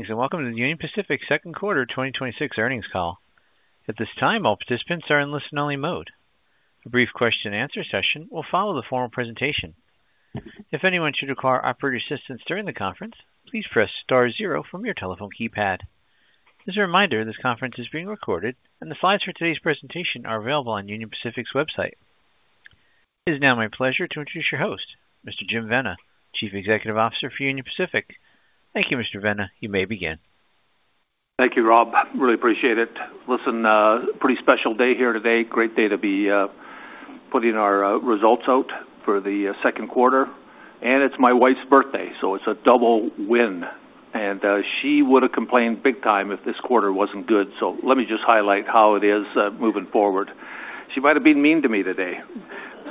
Greetings, welcome to the Union Pacific Second Quarter 2026 Earnings Call. At this time, all participants are in listen-only mode. A brief question-and-answer session will follow the formal presentation. If anyone should require operator assistance during the conference, please press star zero from your telephone keypad. As a reminder, this conference is being recorded, and the slides for today's presentation are available on Union Pacific's website. It is now my pleasure to introduce your host, Mr. Jim Vena, Chief Executive Officer for Union Pacific. Thank you, Mr. Vena. You may begin. Thank you, Rob. Really appreciate it. Listen, pretty special day here today. Great day to be putting our results out for the second quarter. It's my wife's birthday, so it's a double win. She would've complained big time if this quarter wasn't good, so let me just highlight how it is moving forward. She might've been mean to me today.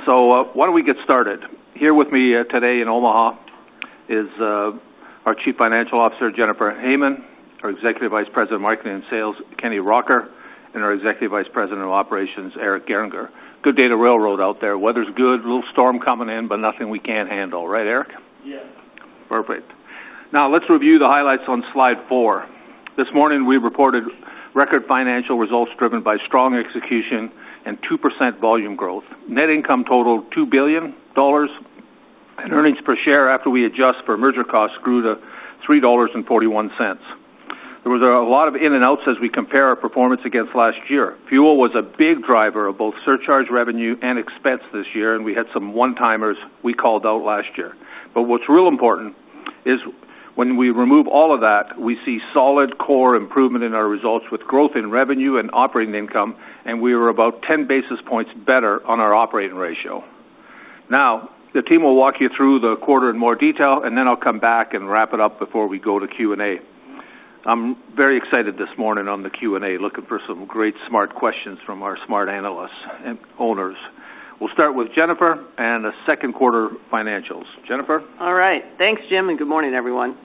Why don't we get started? Here with me today in Omaha is our Chief Financial Officer, Jennifer Hamann, our Executive Vice President of Marketing and Sales, Kenny Rocker, and our Executive Vice President of Operations, Eric Gehringer. Good day to railroad out there. Weather's good. Little storm coming in, nothing we can't handle. Right, Eric? Yeah. Perfect. Let's review the highlights on slide four. This morning, we reported record financial results driven by strong execution and 2% volume growth. Net income totaled $2 billion. Earnings per share after we adjust for merger costs grew to $3.41. There was a lot of in and outs as we compare our performance against last year. Fuel was a big driver of both surcharge revenue and expense this year. We had some one-timers we called out last year. What's real important is when we remove all of that, we see solid core improvement in our results with growth in revenue and operating income. We were about 10 basis points better on our operating ratio. The team will walk you through the quarter in more detail. I'll come back and wrap it up before we go to Q&A. I'm very excited this morning on the Q&A, looking for some great, smart questions from our smart analysts and owners. We'll start with Jennifer and the second quarter financials. Jennifer? All right. Thanks, Jim, and good morning, everyone.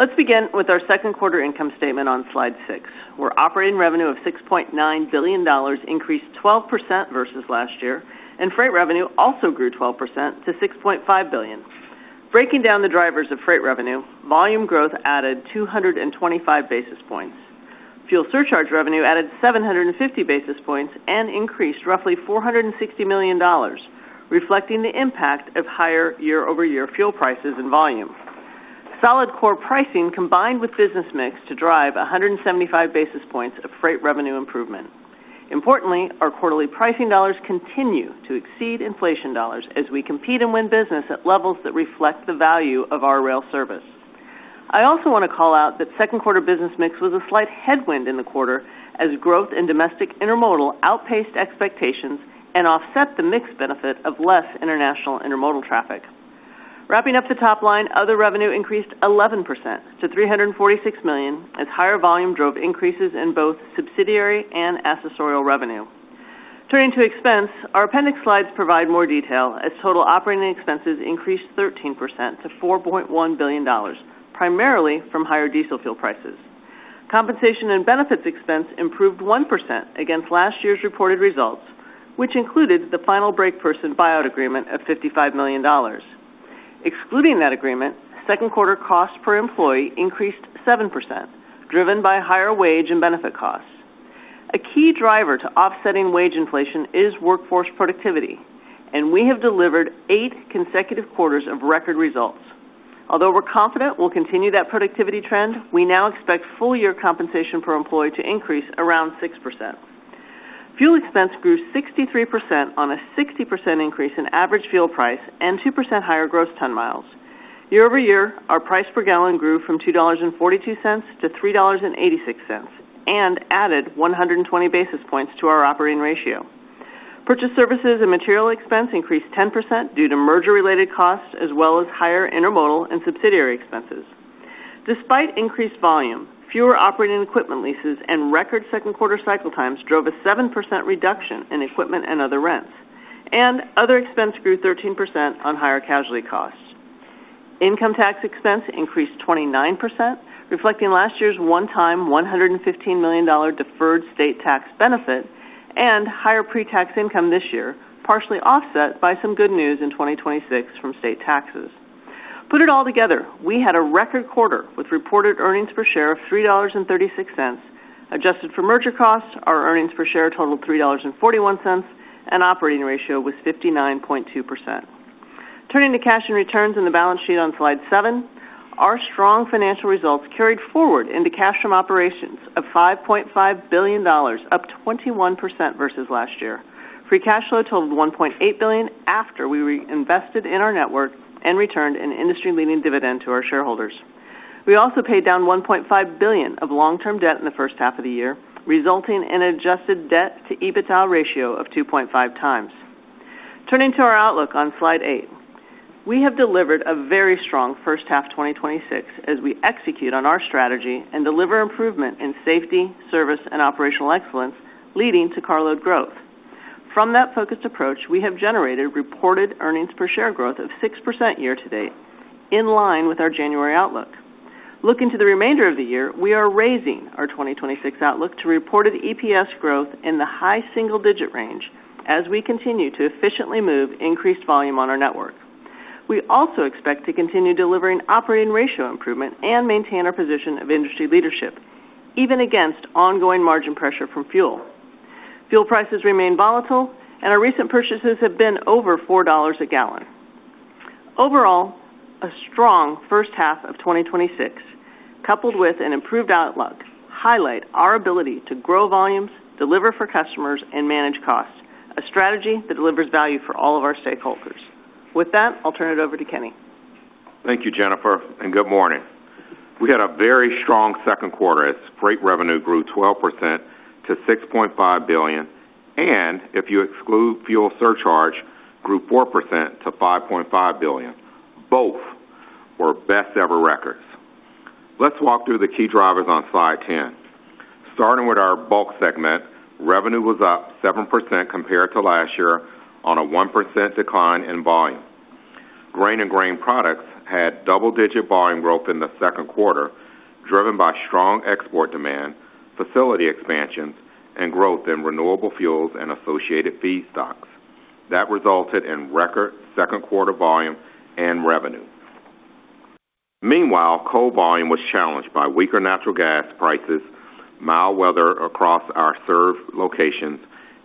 Let's begin with our second quarter income statement on slide six, where operating revenue of $6.9 billion increased 12% versus last year, and freight revenue also grew 12% to $6.5 billion. Breaking down the drivers of freight revenue, volume growth added 225 basis points. Fuel surcharge revenue added 750 basis points and increased roughly $460 million, reflecting the impact of higher year-over-year fuel prices and volume. Solid core pricing combined with business mix to drive 175 basis points of freight revenue improvement. Importantly, our quarterly pricing dollars continue to exceed inflation dollars as we compete and win business at levels that reflect the value of our rail service. I also want to call out that second quarter business mix was a slight headwind in the quarter as growth in domestic intermodal outpaced expectations and offset the mix benefit of less international intermodal traffic. Wrapping up the top line, other revenue increased 11% to $346 million, as higher volume drove increases in both subsidiary and accessorial revenue. Turning to expense, our appendix slides provide more detail as total operating expenses increased 13% to $4.1 billion, primarily from higher diesel fuel prices. Compensation and benefits expense improved 1% against last year's reported results, which included the final brake person buyout agreement of $55 million. Excluding that agreement, second quarter cost per employee increased 7%, driven by higher wage and benefit costs. A key driver to offsetting wage inflation is workforce productivity, and we have delivered eight consecutive quarters of record results. Although we're confident we'll continue that productivity trend, we now expect full-year compensation per employee to increase around 6%. Fuel expense grew 63% on a 60% increase in average fuel price and 2% higher gross ton miles. Year-over-year, our price per gallon grew from $2.42 to $3.86 and added 120 basis points to our operating ratio. Purchase services and material expense increased 10% due to merger-related costs as well as higher intermodal and subsidiary expenses. Despite increased volume, fewer operating equipment leases and record second quarter cycle times drove a 7% reduction in equipment and other rents. Other expense grew 13% on higher casualty costs. Income tax expense increased 29%, reflecting last year's one-time $115 million deferred state tax benefit and higher pre-tax income this year, partially offset by some good news in 2026 from state taxes. Put it all together, we had a record quarter with reported earnings per share of $3.36. Adjusted for merger costs, our earnings per share totaled $3.41. Operating ratio was 59.2%. Turning to cash and returns in the balance sheet on slide seven, our strong financial results carried forward into cash from operations of $5.5 billion, up 21% versus last year. Free cash flow totaled $1.8 billion after we reinvested in our network and returned an industry-leading dividend to our shareholders. We also paid down $1.5 billion of long-term debt in the first half of the year, resulting in an adjusted debt to EBITDA ratio of 2.5x. Turning to our outlook on slide eight. We have delivered a very strong first half 2026 as we execute on our strategy and deliver improvement in safety, service, and operational excellence, leading to carload growth. From that focused approach, we have generated reported EPS growth of 6% year-to-date, in line with our January outlook. Looking to the remainder of the year, we are raising our 2026 outlook to reported EPS growth in the high single-digit range as we continue to efficiently move increased volume on our network. We also expect to continue delivering operating ratio improvement and maintain our position of industry leadership, even against ongoing margin pressure from fuel. Fuel prices remain volatile. Our recent purchases have been over $4 a gallon. Overall, a strong first half of 2026, coupled with an improved outlook, highlight our ability to grow volumes, deliver for customers, and manage costs, a strategy that delivers value for all of our stakeholders. With that, I'll turn it over to Kenny. Thank you, Jennifer, and good morning. We had a very strong second quarter as freight revenue grew 12% to $6.5 billion. If you exclude fuel surcharge, grew 4% to $5.5 billion. Both were best ever records. Let's walk through the key drivers on slide 10. Starting with our bulk segment, revenue was up 7% compared to last year on a 1% decline in volume. Grain and grain products had double-digit volume growth in the second quarter, driven by strong export demand, facility expansions, and growth in renewable fuels and associated feedstocks. That resulted in record second quarter volume and revenue. Meanwhile, coal volume was challenged by weaker natural gas prices, mild weather across our served locations,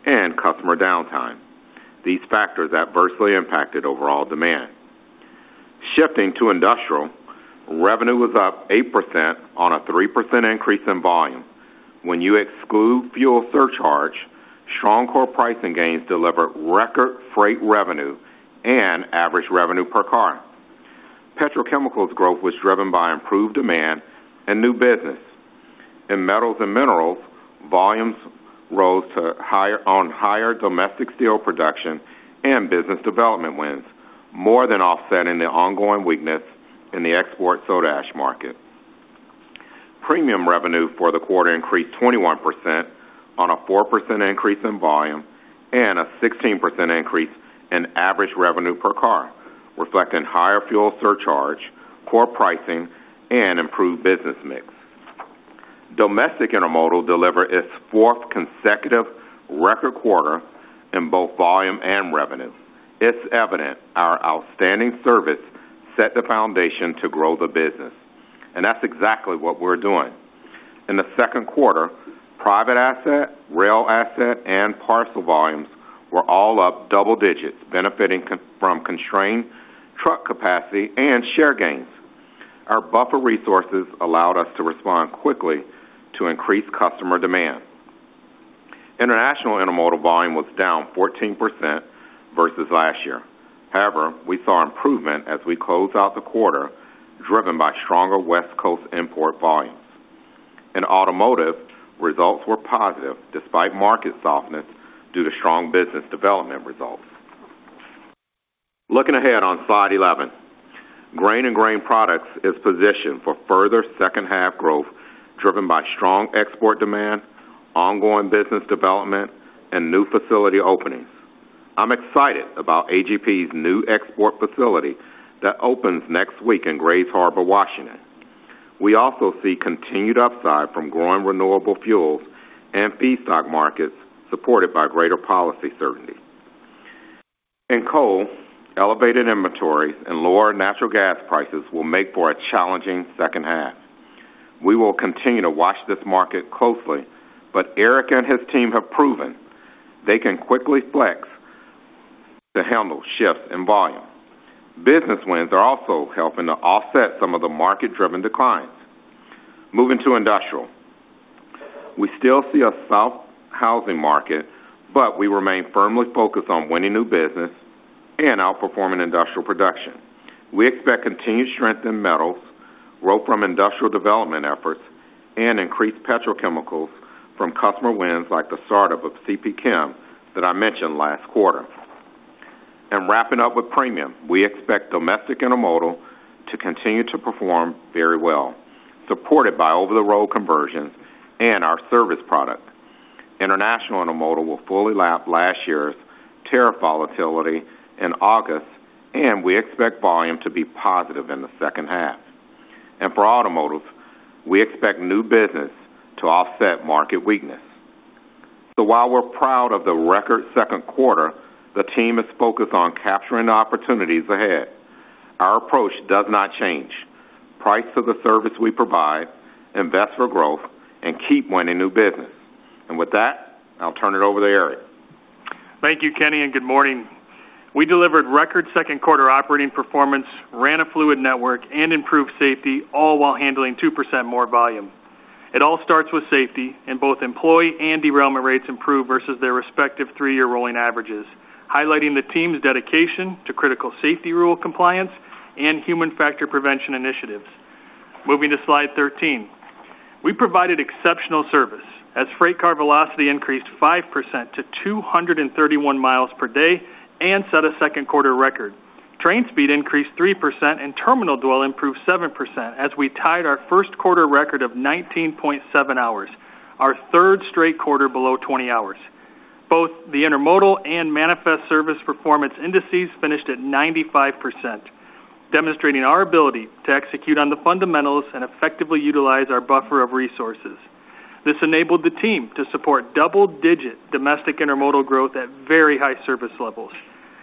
and customer downtime. These factors adversely impacted overall demand. Shifting to industrial, revenue was up 8% on a 3% increase in volume. When you exclude fuel surcharge, strong core pricing gains delivered record freight revenue and average revenue per car. Petrochemicals growth was driven by improved demand and new business. In metals and minerals, volumes rose on higher domestic steel production and business development wins, more than offsetting the ongoing weakness in the export soda ash market. Premium revenue for the quarter increased 21% on a 4% increase in volume and a 16% increase in average revenue per car, reflecting higher fuel surcharge, core pricing, and improved business mix. Domestic Intermodal delivered its fourth consecutive record quarter in both volume and revenue. It's evident our outstanding service set the foundation to grow the business. That's exactly what we're doing. In the second quarter, private asset, rail asset, and parcel volumes were all up double digits, benefiting from constrained truck capacity and share gains. Our buffer resources allowed us to respond quickly to increase customer demand. International Intermodal volume was down 14% versus last year. However, we saw improvement as we closed out the quarter, driven by stronger West Coast import volumes. In automotive, results were positive despite market softness due to strong business development results. Looking ahead on slide 11, Grain & Grain Products is positioned for further second half growth, driven by strong export demand, ongoing business development, and new facility openings. I'm excited about AGP's new export facility that opens next week in Grays Harbor, Washington. We also see continued upside from growing renewable fuels and feedstock markets, supported by greater policy certainty. In coal, elevated inventory and lower natural gas prices will make for a challenging second half. We will continue to watch this market closely. Eric and his team have proven they can quickly flex to handle shifts in volume. Business wins are also helping to offset some of the market-driven declines. Moving to industrial. We still see a soft housing market, but we remain firmly focused on winning new business and outperforming industrial production. We expect continued strength in metals, growth from industrial development efforts, and increased petrochemicals from customer wins like the startup of CP Chem that I mentioned last quarter. Wrapping up with premium, we expect domestic intermodal to continue to perform very well, supported by over-the-road conversions and our service product. International intermodal will fully lap last year's tariff volatility in August, and we expect volume to be positive in the second half. For automotive, we expect new business to offset market weakness. While we're proud of the record second quarter, the team is focused on capturing the opportunities ahead. Our approach does not change. Price for the service we provide, invest for growth, and keep winning new business. With that, I'll turn it over to Eric. Thank you, Kenny, and good morning. We delivered record second quarter operating performance, ran a fluid network, and improved safety, all while handling 2% more volume. It all starts with safety. Both employee and derailment rates improved versus their respective three-year rolling averages, highlighting the team's dedication to critical safety rule compliance and human factor prevention initiatives. Moving to slide 13. We provided exceptional service as freight car velocity increased 5% to 231 miles per day and set a second quarter record. Train speed increased 3%, and terminal dwell improved 7% as we tied our first quarter record of 19.7 hours, our third straight quarter below 20 hours. Both the Intermodal and Manifest service performance index finished at 95%, demonstrating our ability to execute on the fundamentals and effectively utilize our buffer of resources. This enabled the team to support double-digit domestic intermodal growth at very high service levels.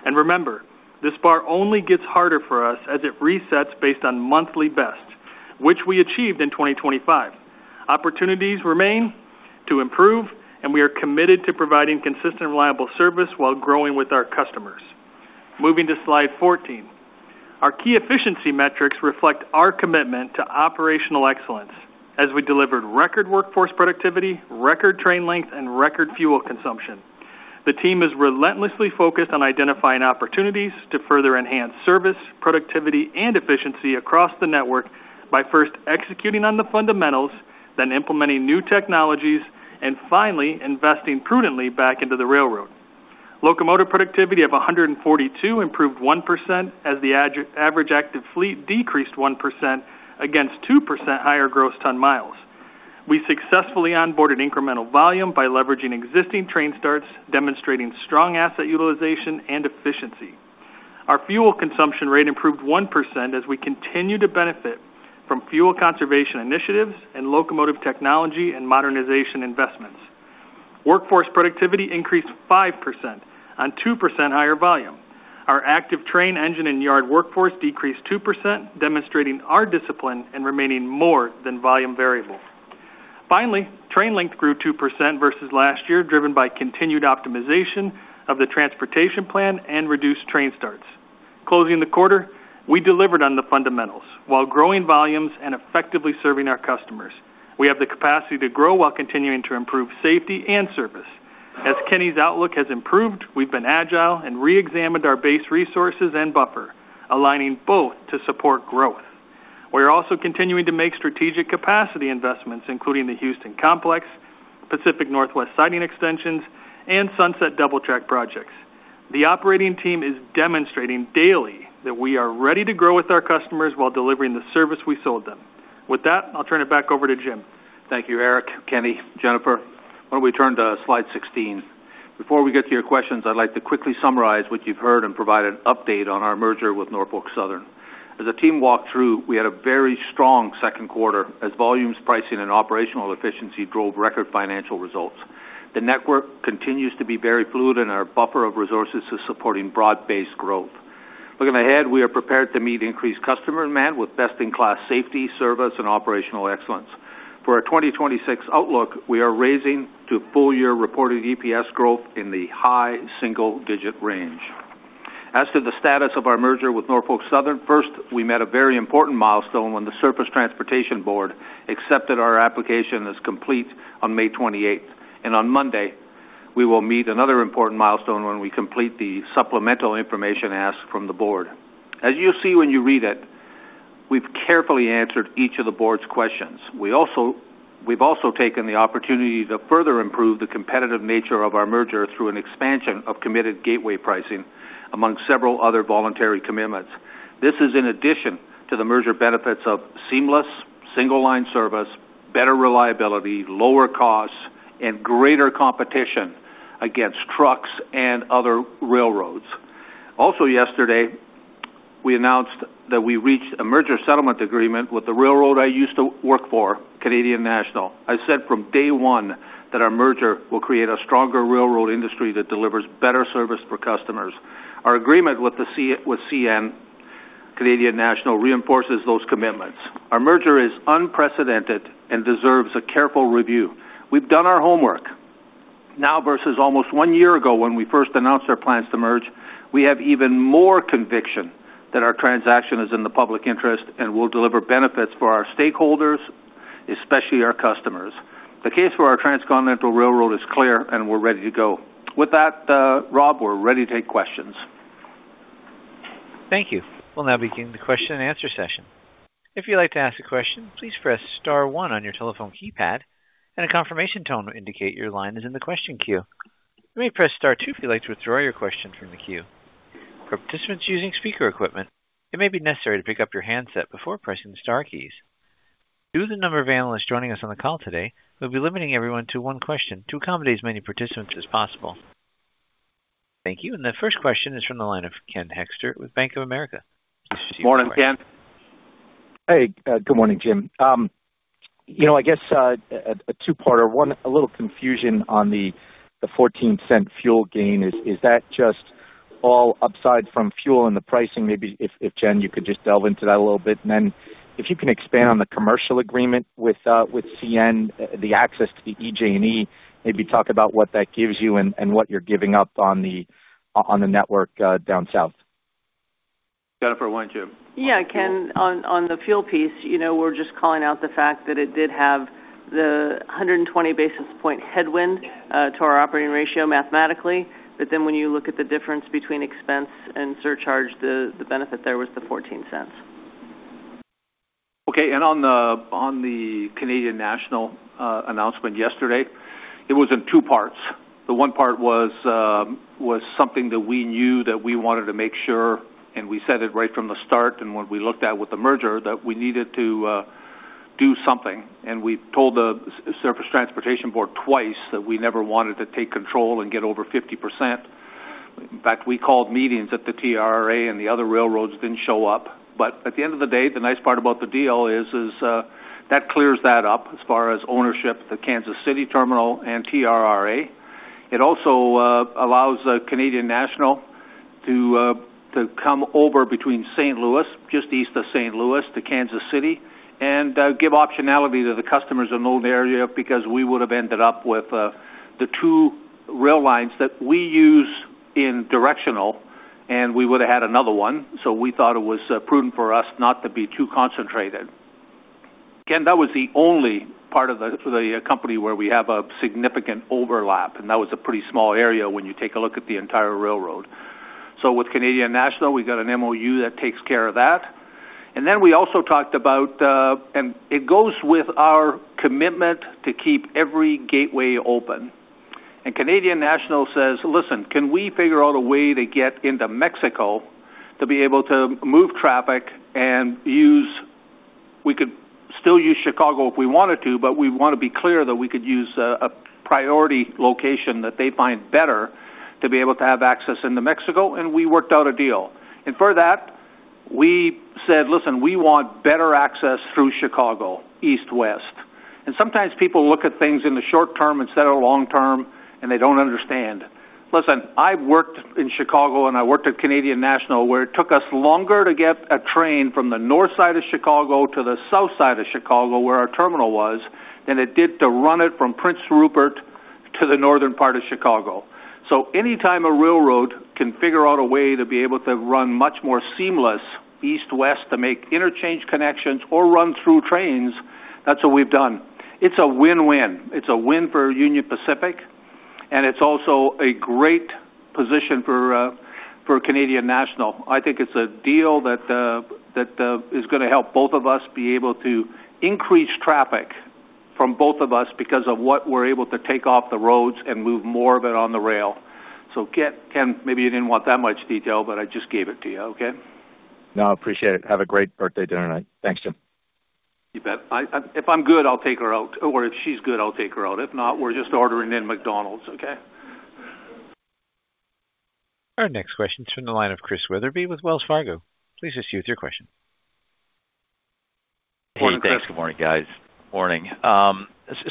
Remember, this bar only gets harder for us as it resets based on monthly bests, which we achieved in 2025. Opportunities remain to improve, and we are committed to providing consistent, reliable service while growing with our customers. Moving to slide 14. Our key efficiency metrics reflect our commitment to operational excellence as we delivered record workforce productivity, record train length, and record fuel consumption. The team is relentlessly focused on identifying opportunities to further enhance service, productivity, and efficiency across the network by first executing on the fundamentals, then implementing new technologies, and finally, investing prudently back into the railroad. Locomotive productivity of 142 improved 1% as the average active fleet decreased 1% against 2% higher gross ton miles. We successfully onboarded incremental volume by leveraging existing train starts, demonstrating strong asset utilization and efficiency. Our fuel consumption rate improved 1% as we continue to benefit from fuel conservation initiatives and locomotive technology and modernization investments. Workforce productivity increased 5% on 2% higher volume. Our active train engine and yard workforce decreased 2%, demonstrating our discipline and remaining more than volume variable. Finally, train length grew 2% versus last year, driven by continued optimization of the transportation plan and reduced train starts. Closing the quarter, we delivered on the fundamentals while growing volumes and effectively serving our customers. As Kenny's outlook has improved, we've been agile and re-examined our base resources and buffer, aligning both to support growth. We are also continuing to make strategic capacity investments, including the Houston Complex, Pacific Northwest Siding Extensions, and Sunset Double Track projects. The operating team is demonstrating daily that we are ready to grow with our customers while delivering the service we sold them. With that, I'll turn it back over to Jim. Thank you, Eric, Kenny, Jennifer. Why don't we turn to slide 16? Before we get to your questions, I'd like to quickly summarize what you've heard and provide an update on our merger with Norfolk Southern. As the team walked through, we had a very strong second quarter as volumes, pricing, and operational efficiency drove record financial results. The network continues to be very fluid, and our buffer of resources is supporting broad-based growth. Looking ahead, we are prepared to meet increased customer demand with best-in-class safety, service, and operational excellence. For our 2026 outlook, we are raising to full-year reported EPS growth in the high single-digit range. As to the status of our merger with Norfolk Southern, first, we met a very important milestone when the Surface Transportation Board accepted our application as complete on May 28th. On Monday, we will meet another important milestone when we complete the supplemental information asked from the Board. As you'll see when you read it, we've carefully answered each of the Board's questions. We've also taken the opportunity to further improve the competitive nature of our merger through an expansion of Committed Gateway Pricing, among several other voluntary commitments. This is in addition to the merger benefits of seamless single-line service, better reliability, lower costs, and greater competition against trucks and other railroads. Also yesterday, we announced that we reached a merger settlement agreement with the railroad I used to work for, Canadian National. I said from day one that our merger will create a stronger railroad industry that delivers better service for customers. Our agreement with CN, Canadian National, reinforces those commitments. Our merger is unprecedented and deserves a careful review. We've done our homework. Now versus almost one year ago when we first announced our plans to merge, we have even more conviction that our transaction is in the public interest and will deliver benefits for our stakeholders, especially our customers. The case for our transcontinental railroad is clear, and we're ready to go. With that, Rob, we're ready to take questions. Thank you. We'll now begin the question and answer session. If you'd like to ask a question, please press star one on your telephone keypad and a confirmation tone will indicate your line is in the question queue. You may press star two if you'd like to withdraw your question from the queue. For participants using speaker equipment, it may be necessary to pick up your handset before pressing the star keys. Due to the number of analysts joining us on the call today, we'll be limiting everyone to one question to accommodate as many participants as possible. Thank you. The first question is from the line of Ken Hoexter with Bank of America. Morning, Ken. Hey, good morning, Jim. I guess, a two-parter. One, a little confusion on the $0.14 fuel gain. Is that just all upside from fuel and the pricing? Maybe if, Jen, you could just delve into that a little bit. If you can expand on the commercial agreement with CN, the access to the EJ&E, maybe talk about what that gives you and what you're giving up on the network down south. Jennifer, why don't you? Ken, on the fuel piece, we're just calling out the fact that it did have the 120 basis points headwind to our operating ratio mathematically. When you look at the difference between expense and surcharge, the benefit there was the $0.14. On the Canadian National announcement yesterday, it was in two parts. The one part was something that we knew that we wanted to make sure. We said it right from the start, what we looked at with the merger, that we needed to do something. We told the Surface Transportation Board twice that we never wanted to take control and get over 50%. In fact, we called meetings at the TRRA. The other railroads didn't show up. At the end of the day, the nice part about the deal is that clears that up as far as ownership, the Kansas City terminal and TRRA. It also allows Canadian National to come over between St. Louis, just east of St. Louis to Kansas City, and give optionality to the customers in an old area, because we would have ended up with the two rail lines that we use in directional, and we would have had another one. We thought it was prudent for us not to be too concentrated. Ken, that was the only part of the company where we have a significant overlap, and that was a pretty small area when you take a look at the entire railroad. With Canadian National, we've got an MOU that takes care of that. We also talked about, and it goes with our commitment to keep every gateway open. Canadian National says, "Listen, can we figure out a way to get into Mexico to be able to move traffic, we could still use Chicago if we wanted to, but we want to be clear that we could use a priority location that they find better to be able to have access into Mexico," and we worked out a deal. For that, we said, "Listen, we want better access through Chicago, east to west." Sometimes people look at things in the short term instead of long term, and they don't understand. Listen, I've worked in Chicago, and I worked at Canadian National, where it took us longer to get a train from the north side of Chicago to the south side of Chicago, where our terminal was, than it did to run it from Prince Rupert to the northern part of Chicago. Anytime a railroad can figure out a way to be able to run much more seamless east to west to make interchange connections or run through trains, that's what we've done. It's a win-win. It's a win for Union Pacific, and it's also a great position for Canadian National. I think it's a deal that is going to help both of us be able to increase traffic from both of us because of what we're able to take off the roads and move more of it on the rail. Ken, maybe you didn't want that much detail, but I just gave it to you, okay? No, I appreciate it. Have a great birthday dinner night. Thanks, Jim. You bet. If I'm good, I'll take her out. If she's good, I'll take her out. If not, we're just ordering in McDonald's, okay? Our next question is from the line of Chris Wetherbee with Wells Fargo. Please proceed with your question. Morning, Chris. Hey, good morning, guys. Morning.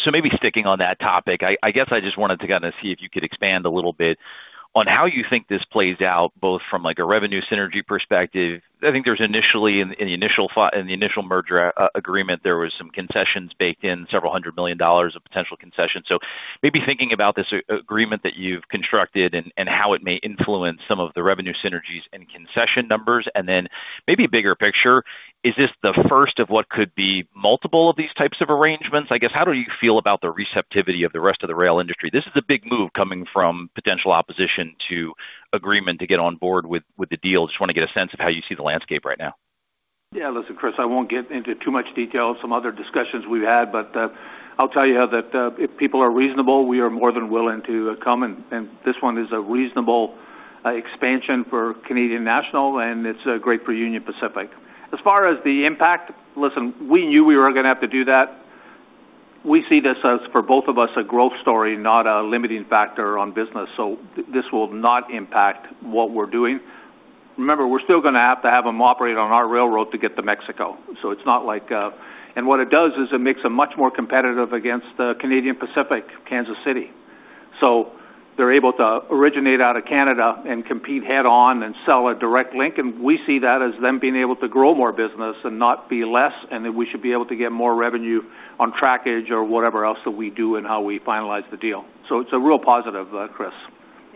Maybe sticking on that topic, I guess I just wanted to see if you could expand a little bit on how you think this plays out, both from a revenue synergy perspective. I think there's initially, in the initial merger agreement, there was some concessions baked in, several hundred million dollars of potential concessions. Maybe thinking about this agreement that you've constructed and how it may influence some of the revenue synergies and concession numbers, and then maybe a bigger picture, is this the first of what could be multiple of these types of arrangements? I guess, how do you feel about the receptivity of the rest of the rail industry? This is a big move coming from potential opposition to agreement to get on board with the deal. I just want to get a sense of how you see the landscape right now. Listen, Chris, I won't get into too much detail of some other discussions we've had, but I'll tell you that if people are reasonable, we are more than willing to come, and this one is a reasonable expansion for Canadian National, and it's great for Union Pacific. As far as the impact, listen, we knew we were going to have to do that. We see this as, for both of us, a growth story, not a limiting factor on business. This will not impact what we're doing. Remember, we're still going to have to have them operate on our railroad to get to Mexico. What it does is it makes them much more competitive against Canadian Pacific Kansas City. They're able to originate out of Canada and compete head-on and sell a direct link, we see that as them being able to grow more business and not be less, that we should be able to get more revenue on trackage or whatever else that we do and how we finalize the deal. It's a real positive, Chris.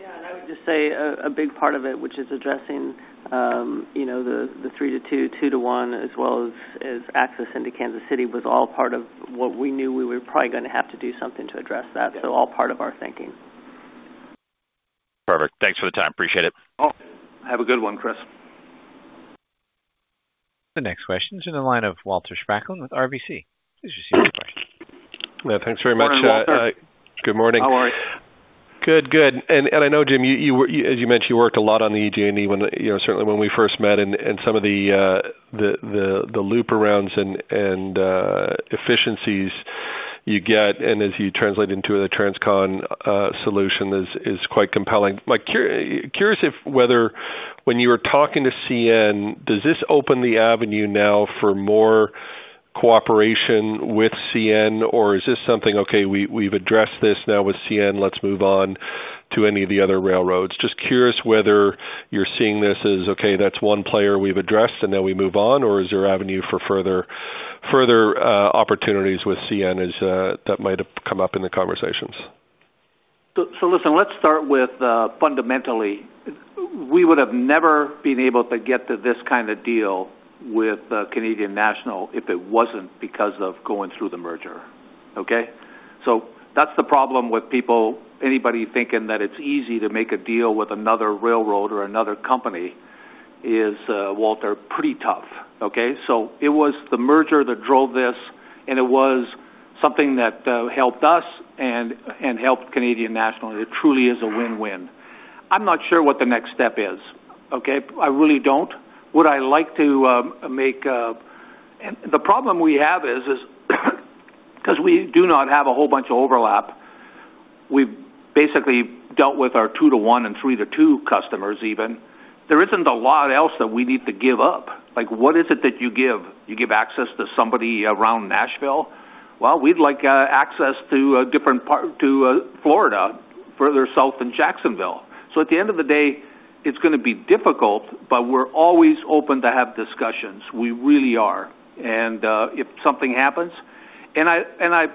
I would just say a big part of it, which is addressing the 3-2, 2-1, as well as access into Kansas City, was all part of what we knew we were probably going to have to do something to address that. All part of our thinking. Perfect. Thanks for the time. Appreciate it. Oh, have a good one, Chris. The next question is in the line of Walter Spracklin with RBC. Please proceed with your question. Yeah, thanks very much. Morning, Walter. Good morning. How are you? Good. I know, Jim, as you mentioned, you worked a lot on the EJ&E, certainly when we first met and some of the loop arounds and efficiencies you get and as you translate into the Transcon solution is quite compelling. Curious if whether, when you were talking to CN, does this open the avenue now for more cooperation with CN? Is this something, okay, we've addressed this now with CN, let's move on to any of the other railroads? Just curious whether you're seeing this as, okay, that's one player we've addressed, and now we move on, or is there avenue for further opportunities with CN that might have come up in the conversations? Listen, let's start with, fundamentally, we would have never been able to get to this kind of deal with Canadian National if it wasn't because of going through the merger. Okay? That's the problem with people, anybody thinking that it's easy to make a deal with another railroad or another company is, Walter, pretty tough. Okay? It was the merger that drove this, and it was something that helped us and helped Canadian National. It truly is a win-win. I'm not sure what the next step is. Okay? I really don't. Would I like to make a, the problem we have is, because we do not have a whole bunch of overlap, we've basically dealt with our 2-1 and 3-2 customers even. There isn't a lot else that we need to give up. What is it that you give? You give access to somebody around Nashville? Well, we'd like access to Florida, further south in Jacksonville. At the end of the day, it's going to be difficult, but we're always open to have discussions. We really are. If something happens, and I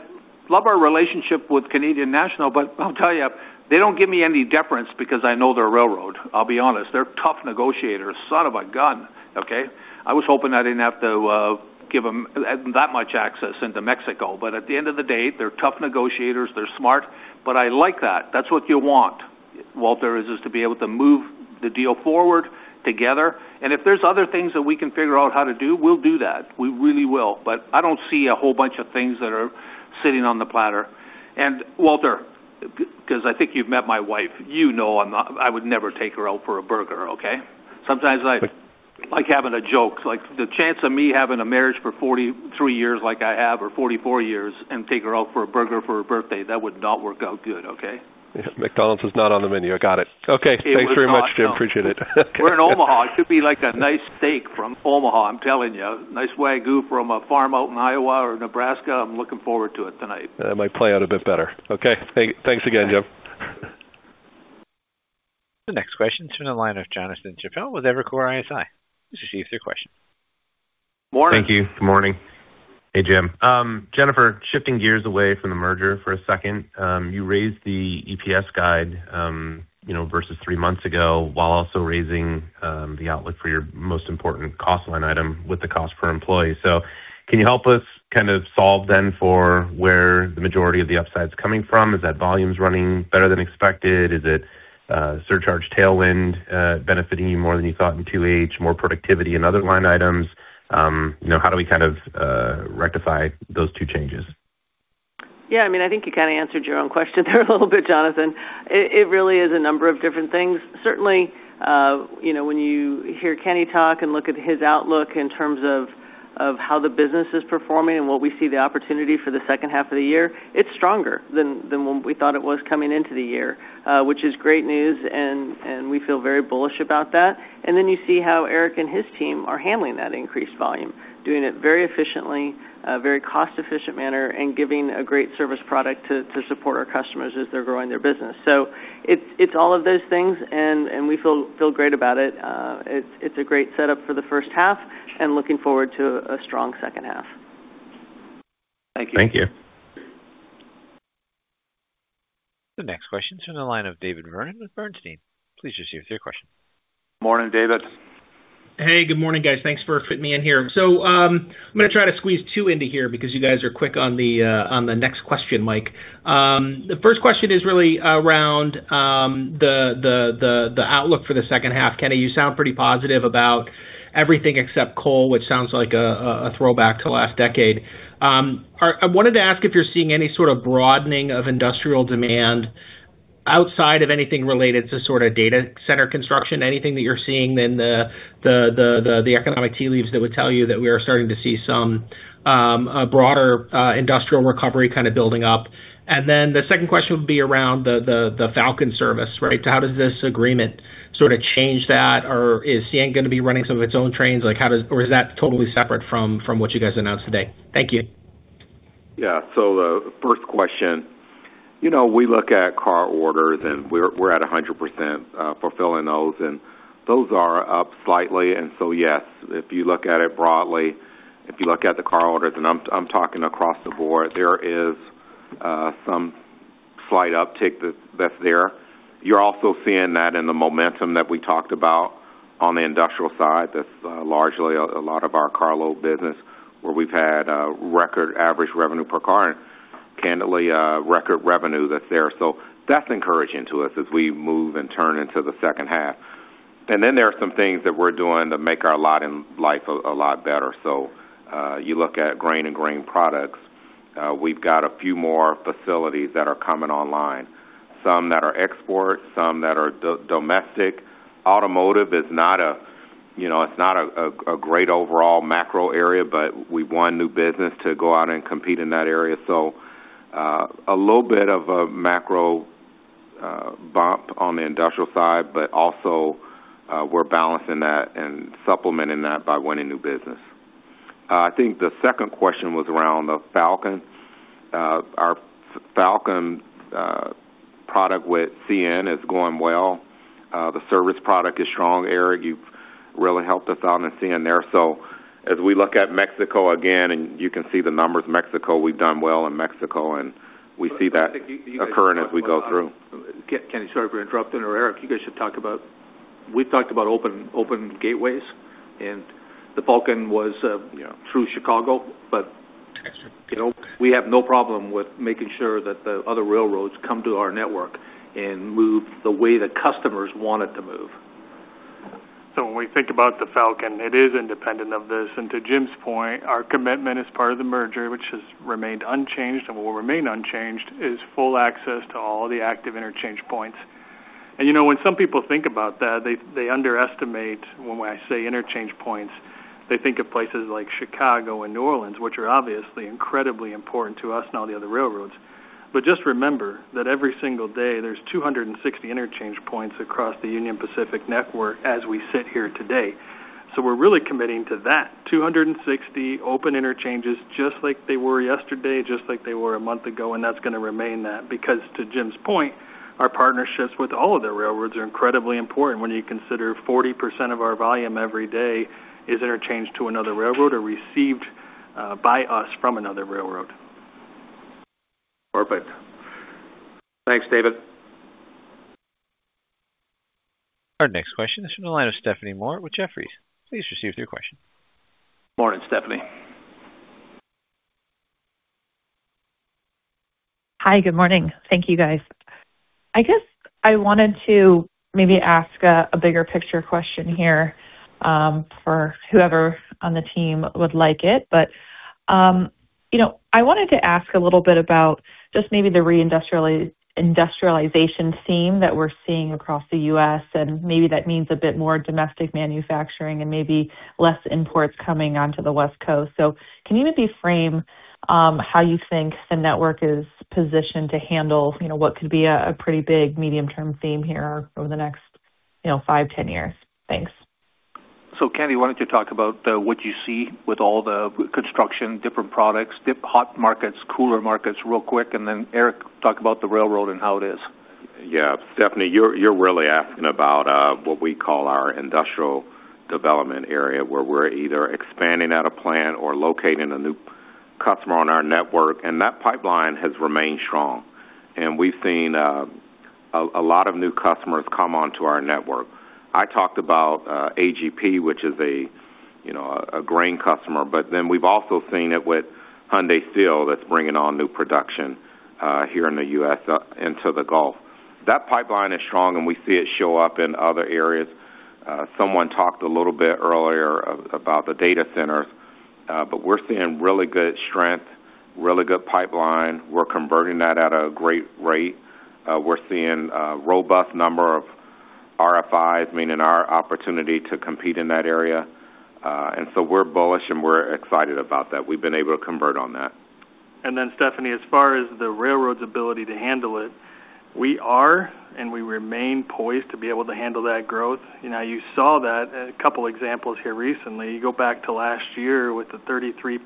love our relationship with Canadian National, but I'll tell you, they don't give me any deference because I know their railroad. I'll be honest. They're tough negotiators. Son of a gun. Okay. I was hoping I didn't have to give them that much access into Mexico. At the end of the day, they're tough negotiators. They're smart. I like that. That's what you want, Walter, is to be able to move the deal forward together. If there's other things that we can figure out how to do, we'll do that. We really will. I don't see a whole bunch of things that are sitting on the platter. Walter, because I think you've met my wife, you know I would never take her out for a burger, okay? Sometimes I like having a joke. The chance of me having a marriage for 43 years like I have, or 44 years, and take her out for a burger for her birthday, that would not work out good, okay? Yeah. McDonald's is not on the menu. I got it. Okay. It is not. No. Thanks very much, Jim. Appreciate it. We're in Omaha. It could be like a nice steak from Omaha. I'm telling you. Nice Wagyu from a farm out in Iowa or Nebraska. I'm looking forward to it tonight. That might play out a bit better. Okay. Thanks again, Jim. The next question is in the line of Jonathan Chappell with Evercore ISI. Please proceed with your question. Morning. Thank you. Good morning. Hey, Jim. Jennifer, shifting gears away from the merger for a second. You raised the EPS guide versus three months ago, while also raising the outlook for your most important cost line item with the cost per employee. Can you help us solve then for where the majority of the upside's coming from? Is that volumes running better than expected? Is it surcharge tailwind benefiting you more than you thought in 2H, more productivity in other line items? How do we rectify those two changes? Yeah, I think you answered your own question there a little bit, Jonathan. It really is a number of different things. Certainly, when you hear Kenny talk and look at his outlook in terms of how the business is performing and what we see the opportunity for the second half of the year, it's stronger than when we thought it was coming into the year, which is great news, and we feel very bullish about that. Then you see how Eric and his team are handling that increased volume, doing it very efficiently, very cost efficient manner, and giving a great service product to support our customers as they're growing their business. It's all of those things, and we feel great about it. It's a great setup for the first half and looking forward to a strong second half. Thank you. The next question's in the line of David Vernon with Bernstein. Please proceed with your question. Morning, David. Hey, good morning, guys. Thanks for fitting me in here. I'm going to try to squeeze two into here because you guys are quick on the next question, Mike. The first question is really around the outlook for the second half. Kenny, you sound pretty positive about everything except coal, which sounds like a throwback to last decade. I wanted to ask if you're seeing any sort of broadening of industrial demand outside of anything related to data center construction, anything that you're seeing in the economic tea leaves that would tell you that we are starting to see some broader industrial recovery building up. And then the second question would be around the Falcon service, right? How does this agreement change that? Or is CN going to be running some of its own trains? Or is that totally separate from what you guys announced today? Thank you. Yeah. The first question. We look at car orders, and we're at 100% fulfilling those, and those are up slightly. Yes, if you look at it broadly, if you look at the car orders, I'm talking across the board, there is some slight uptick that's there. You're also seeing that in the momentum that we talked about on the industrial side. That's largely a lot of our carload business, where we've had a record Average revenue per car and candidly, record revenue that's there. That's encouraging to us as we move and turn into the second half. There are some things that we're doing that make our life a lot better. You look at grain and grain products, we've got a few more facilities that are coming online, some that are export, some that are domestic. Automotive, it's not a great overall macro area, but we've won new business to go out and compete in that area. A little bit of a macro bump on the industrial side, but also, we're balancing that and supplementing that by winning new business. I think the second question was around the Falcon. Our Falcon product with CN is going well. The service product is strong. Eric, you've really helped us out on CN there. As we look at Mexico again, and you can see the numbers, Mexico, we've done well in Mexico, and we see that occurring as we go through. Kenny, sorry for interrupting, or Eric, you guys should talk about, we've talked about open gateways and the Falcon was through Chicago, but we have no problem with making sure that the other railroads come to our network and move the way that customers want it to move. When we think about the Falcon, it is independent of this. To Jim's point, our commitment as part of the merger, which has remained unchanged and will remain unchanged, is full access to all the active interchange points. When some people think about that, they underestimate, when I say interchange points, they think of places like Chicago and New Orleans, which are obviously incredibly important to us and all the other railroads. Just remember that every single day, there's 260 interchange points across the Union Pacific network as we sit here today. We're really committing to that 260 open interchanges, just like they were yesterday, just like they were a month ago, and that's going to remain that, because to Jim's point, our partnerships with all of the railroads are incredibly important when you consider 40% of our volume every day is interchanged to another railroad or received by us from another railroad. Perfect. Thanks, David. Our next question is from the line of Stephanie Moore with Jefferies. Please receive your question. Morning, Stephanie. Hi, good morning. Thank you, guys. I guess I wanted to maybe ask a bigger picture question here, for whoever on the team would like it. I wanted to ask a little bit about just maybe the reindustrialization theme that we're seeing across the U.S., maybe that means a bit more domestic manufacturing and maybe less imports coming onto the West Coast. Can you maybe frame how you think the network is positioned to handle what could be a pretty big medium-term theme here over the next five, 10 years? Thanks. Kenny, why don't you talk about what you see with all the construction, different products, hot markets, cooler markets real quick, and then Eric, talk about the railroad and how it is. Yeah. Stephanie, you're really asking about what we call our industrial development area, where we're either expanding at a plant or locating a new customer on our network, and that pipeline has remained strong. We've seen a lot of new customers come onto our network. I talked about AGP, which is a grain customer, but then we've also seen it with Hyundai Steel that's bringing on new production here in the U.S. into the Gulf. That pipeline is strong, and we see it show up in other areas. Someone talked a little bit earlier about the data centers, but we're seeing really good strength, really good pipeline. We're converting that at a great rate. We're seeing a robust number of RFIs, meaning our opportunity to compete in that area. We're bullish and we're excited about that. We've been able to convert on that. Stephanie, as far as the railroad's ability to handle it, we are, and we remain poised to be able to handle that growth. You saw that, a couple examples here recently. You go back to last year with the 33%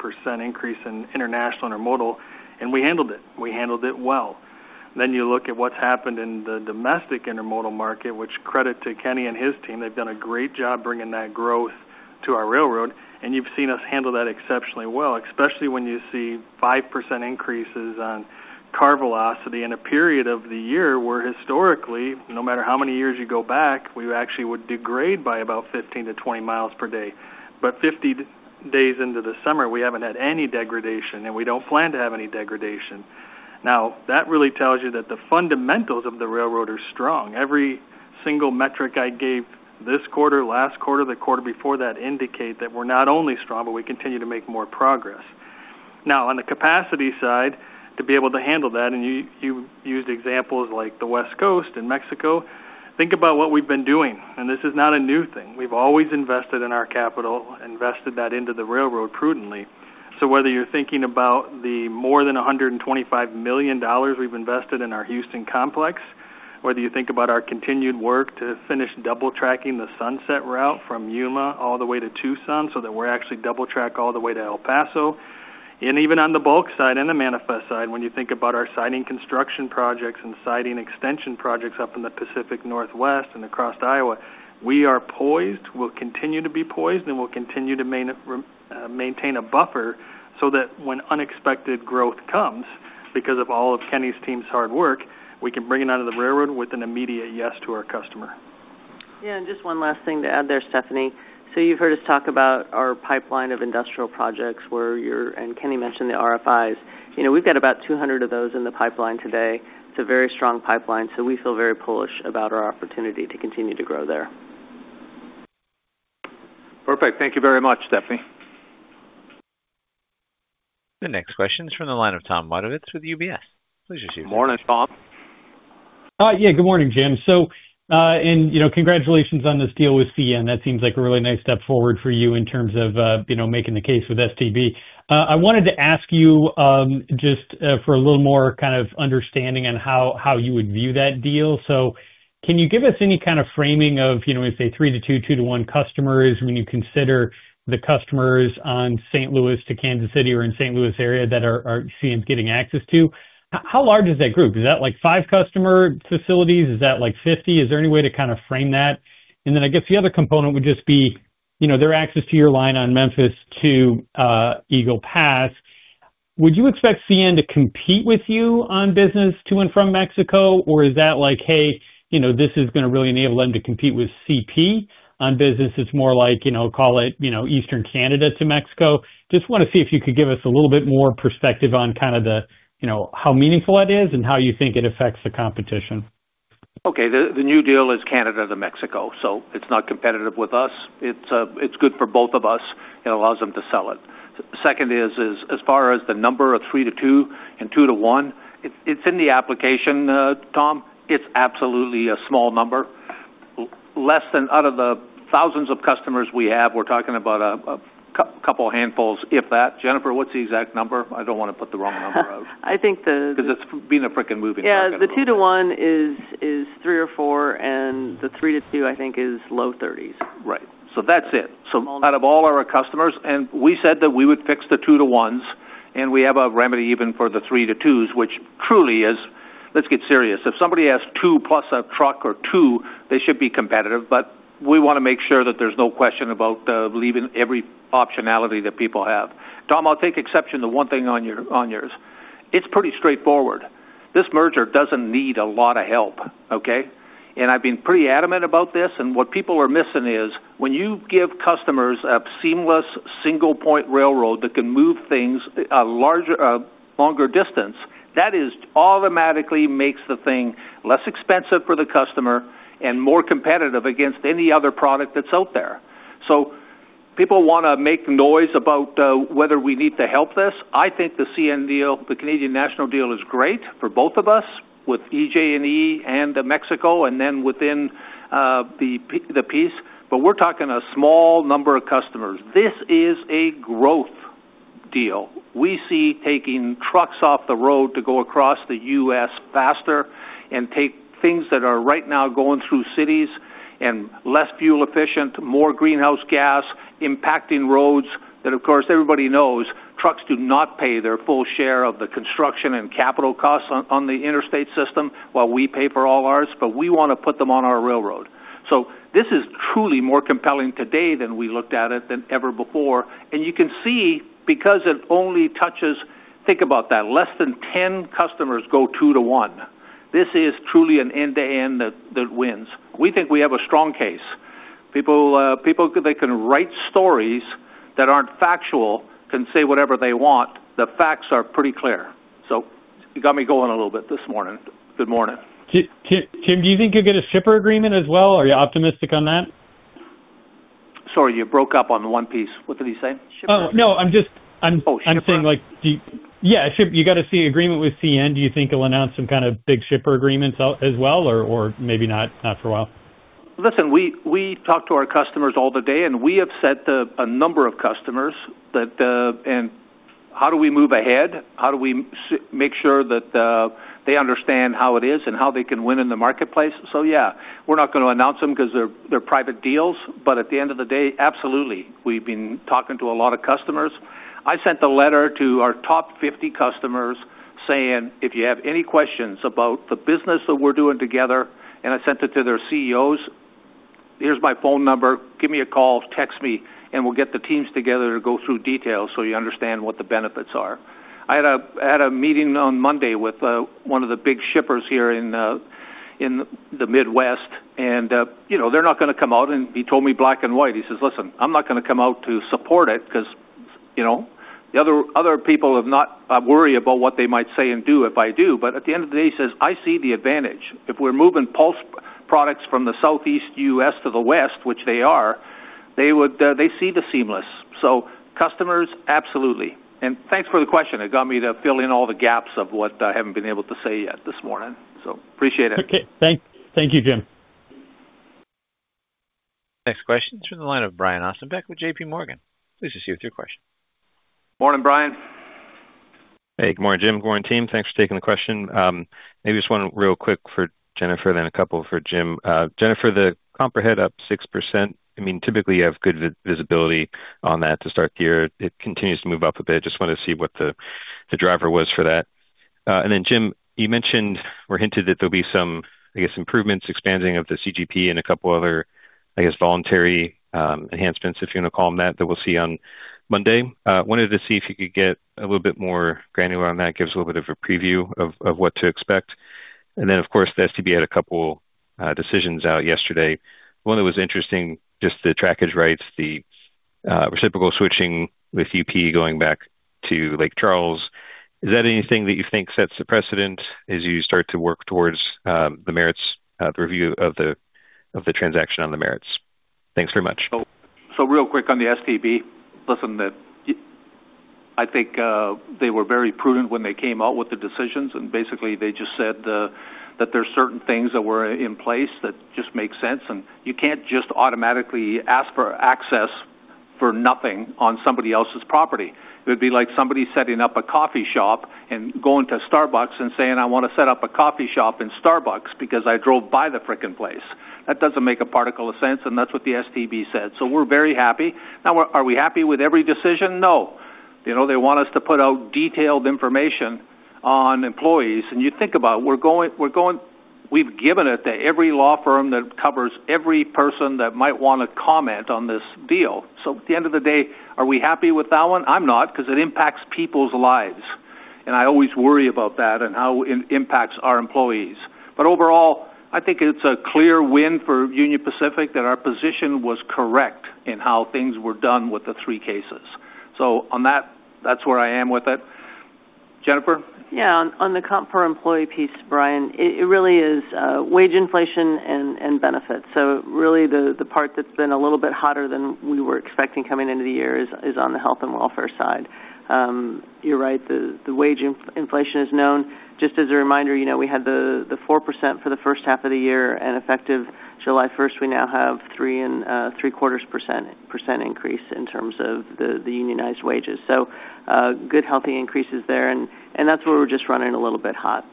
increase in international intermodal, and we handled it. We handled it well. You look at what's happened in the domestic intermodal market, which credit to Kenny and his team, they've done a great job bringing that growth to our railroad, and you've seen us handle that exceptionally well, especially when you see 5% increases on car velocity in a period of the year where historically, no matter how many years you go back, we actually would degrade by about 15-20 miles per day. 50 days into the summer, we haven't had any degradation, and we don't plan to have any degradation. That really tells you that the fundamentals of the railroad are strong. Every single metric I gave this quarter, last quarter, the quarter before that indicate that we're not only strong, but we continue to make more progress. On the capacity side, to be able to handle that, and you used examples like the West Coast and Mexico, think about what we've been doing, and this is not a new thing. We've always invested in our capital, invested that into the railroad prudently. Whether you're thinking about the more than $125 million we've invested in our Houston complex, whether you think about our continued work to finish double tracking the Sunset Route from Yuma all the way to Tucson so that we're actually double track all the way to El Paso, and even on the bulk side and the manifest side, when you think about our siding construction projects and siding extension projects up in the Pacific Northwest and across Iowa, we are poised, we'll continue to be poised, and we'll continue to maintain a buffer so that when unexpected growth comes because of all of Kenny's team's hard work, we can bring it onto the railroad with an immediate yes to our customer. Yeah. Just one last thing to add there, Stephanie. You've heard us talk about our pipeline of industrial projects where Kenny mentioned the RFIs. We've got about 200 of those in the pipeline today. It's a very strong pipeline, we feel very bullish about our opportunity to continue to grow there. Perfect. Thank you very much, Stephanie. The next question is from the line of Tom Wadewitz with UBS. Please proceed. Morning, Tom. Yeah. Good morning, Jim. Congratulations on this deal with CN. That seems like a really nice step forward for you in terms of making the case with STB. I wanted to ask you, just for a little more kind of understanding on how you would view that deal. Can you give us any kind of framing of, we say, 3-2, 2-1 customers when you consider the customers on St. Louis to Kansas City or in St. Louis area that are seeing, getting access to, how large is that group? Is that five customer facilities? Is that 50? Is there any way to kind of frame that? I guess the other component would just be their access to your line on Memphis to Eagle Pass. Would you expect CN to compete with you on business to and from Mexico? Is that like, hey, this is going to really enable them to compete with CP on business? It's more like, call it, Eastern Canada to Mexico. Just want to see if you could give us a little bit more perspective on how meaningful that is, and how you think it affects the competition. Okay. The new deal is Canada to Mexico, so it's not competitive with us. It's good for both of us. It allows them to sell it. Second is as far as the number of 3-2 and 2-1, it's in the application, Tom, it's absolutely a small number. Out of the thousands of customers we have, we're talking about a couple of handfuls, if that. Jennifer, what's the exact number? I don't want to put the wrong number out. It's being a freaking moving target. Yeah. The 2-1 is three or four. The 3-2, I think is low 30s. Right. That's it. Out of all our customers, we said that we would fix the 2-1s, we have a remedy even for the 3-2s, which truly is, let's get serious. If somebody has two plus a truck or two, they should be competitive, but we want to make sure that there's no question about leaving every optionality that people have. Tom, I'll take exception to one thing on yours. It's pretty straightforward. This merger doesn't need a lot of help. Okay. I've been pretty adamant about this. What people are missing is when you give customers a seamless single point railroad that can move things a longer distance, that just automatically makes the thing less expensive for the customer and more competitive against any other product that's out there. People want to make noise about whether we need to help this. I think the CN deal, the Canadian National deal, is great for both of us with EJ&E and Mexico and then within the piece. We're talking a small number of customers. This is a growth deal. We see taking trucks off the road to go across the U.S. faster and take things that are right now going through cities and less fuel efficient, more greenhouse gas, impacting roads, that, of course, everybody knows trucks do not pay their full share of the construction and capital costs on the interstate system while we pay for all ours. We want to put them on our railroad. This is truly more compelling today than we looked at it than ever before. Think about that. Less than 10 customers go 2-1. This is truly an end-to-end that wins. We think we have a strong case. People, they can write stories that aren't factual, can say whatever they want. The facts are pretty clear. You got me going a little bit this morning. Good morning. Jim, do you think you'll get a shipper agreement as well? Are you optimistic on that? Sorry, you broke up on one piece. What did you say? Shipper agreement. No, I'm just. Oh, shipper. I'm saying like, yeah, you got to see agreement with CN. Do you think it'll announce some kind of big shipper agreements as well or maybe not for a while? Listen, we talk to our customers all the day. We have said to a number of customers how do we move ahead? How do we make sure that they understand how it is and how they can win in the marketplace? Yeah, we're not going to announce them because they're private deals, at the end of the day, absolutely. We've been talking to a lot of customers. I sent a letter to our top 50 customers saying, "If you have any questions about the business that we're doing together," I sent it to their CEOs, "here's my phone number. Give me a call, text me. We'll get the teams together to go through details so you understand what the benefits are."I had a meeting on Monday with one of the big shippers here in the Midwest. They're not going to come out. He told me black and white. He says, "Listen, I'm not going to come out to support it because the other people have not. I worry about what they might say and do if I do." At the end of the day, he says, "I see the advantage." If we're moving pulse products from the southeast U.S. to the west, which they are, they see the seamless. Customers, absolutely. Thanks for the question. It got me to fill in all the gaps of what I haven't been able to say yet this morning. Appreciate it. Okay. Thank you, Jim. Next question is from the line of Brian Ossenbeck with JPMorgan. Please proceed with your question. Morning, Brian. Hey, good morning, Jim. Good morning, team. Thanks for taking the question. Maybe just one real quick for Jennifer, then a couple for Jim. Jennifer, the comp per head up 6%. Typically, you have good visibility on that to start the year. It continues to move up a bit. Just wanted to see what the driver was for that. Jim, you mentioned or hinted that there'll be some, I guess, improvements, expanding of the CGP and a couple other, I guess, voluntary enhancements, if you want to call them that we'll see on Monday. Wanted to see if you could get a little bit more granular on that, give us a little bit of a preview of what to expect. The STB had a couple decisions out yesterday. One that was interesting, just the trackage rights, the reciprocal switching with UP going back to Lake Charles. Is that anything that you think sets a precedent as you start to work towards the merits of review of the transaction on the merits? Thanks very much. Real quick on the STB, listen, I think they were very prudent when they came out with the decisions. Basically, they just said that there are certain things that were in place that just make sense, and you can't just automatically ask for access for nothing on somebody else's property. It would be like somebody setting up a coffee shop and going to Starbucks and saying, "I want to set up a coffee shop in Starbucks because I drove by the freaking place." That doesn't make a particle of sense. That's what the STB said. We're very happy. Now, are we happy with every decision? No. They want us to put out detailed information on employees. You think about it, we've given it to every law firm that covers every person that might want to comment on this deal. At the end of the day, are we happy with that one? I'm not, because it impacts people's lives, and I always worry about that and how it impacts our employees. Overall, I think it's a clear win for Union Pacific that our position was correct in how things were done with the three cases. On that's where I am with it. Jennifer? Yeah. On the comp per employee piece, Brian, it really is wage inflation and benefits. Really, the part that's been a little bit hotter than we were expecting coming into the year is on the health and welfare side. You're right, the wage inflation is known. Just as a reminder, we had the 4% for the first half of the year, and effective July 1st, we now have 3.75% increase in terms of the unionized wages. Good, healthy increases there, and that's where we're just running a little bit hot.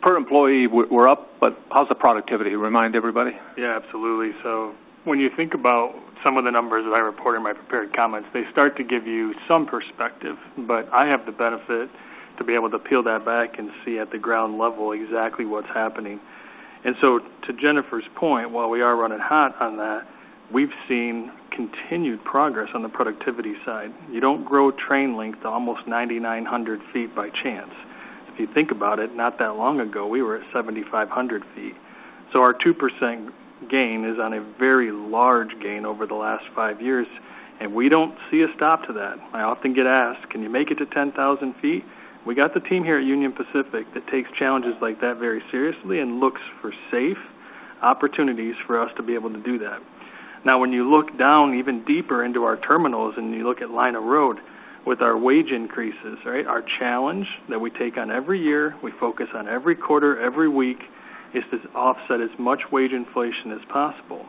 Per employee, we're up, how's the productivity? Remind everybody. Absolutely. When you think about some of the numbers that I report in my prepared comments, they start to give you some perspective, but I have the benefit to be able to peel that back and see at the ground level exactly what's happening. To Jennifer's point, while we are running hot on that, we've seen continued progress on the productivity side. You don't grow train length to almost 9,900 ft by chance. If you think about it, not that long ago, we were at 7,500 ft. Our 2% gain is on a very large gain over the last five years, and we don't see a stop to that. I often get asked, "Can you make it to 10,000 ft?" We got the team here at Union Pacific that takes challenges like that very seriously and looks for safe opportunities for us to be able to do that. When you look down even deeper into our terminals and you look at line of road with our wage increases, our challenge that we take on every year, we focus on every quarter, every week, is to offset as much wage inflation as possible.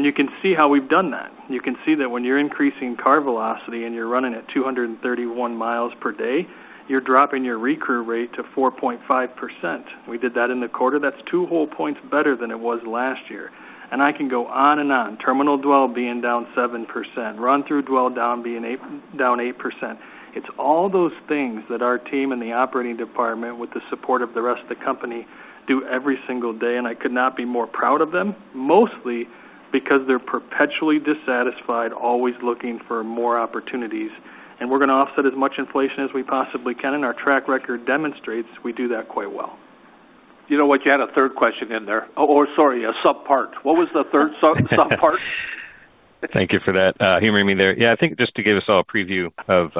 You can see how we've done that. You can see that when you're increasing car velocity and you're running at 231 miles per day, you're dropping your re-crew rate to 4.5%. We did that in the quarter. That's two whole points better than it was last year. I can go on and on. Terminal dwell being down 7%, run-through dwell down 8%. It's all those things that our team in the operating department, with the support of the rest of the company, do every single day, and I could not be more proud of them, mostly because they're perpetually dissatisfied, always looking for more opportunities. We're going to offset as much inflation as we possibly can, and our track record demonstrates we do that quite well. You know what? You had a third question in there, or sorry, a subpart. What was the third subpart? Thank you for that, humoring me there. I think just to give us all a preview of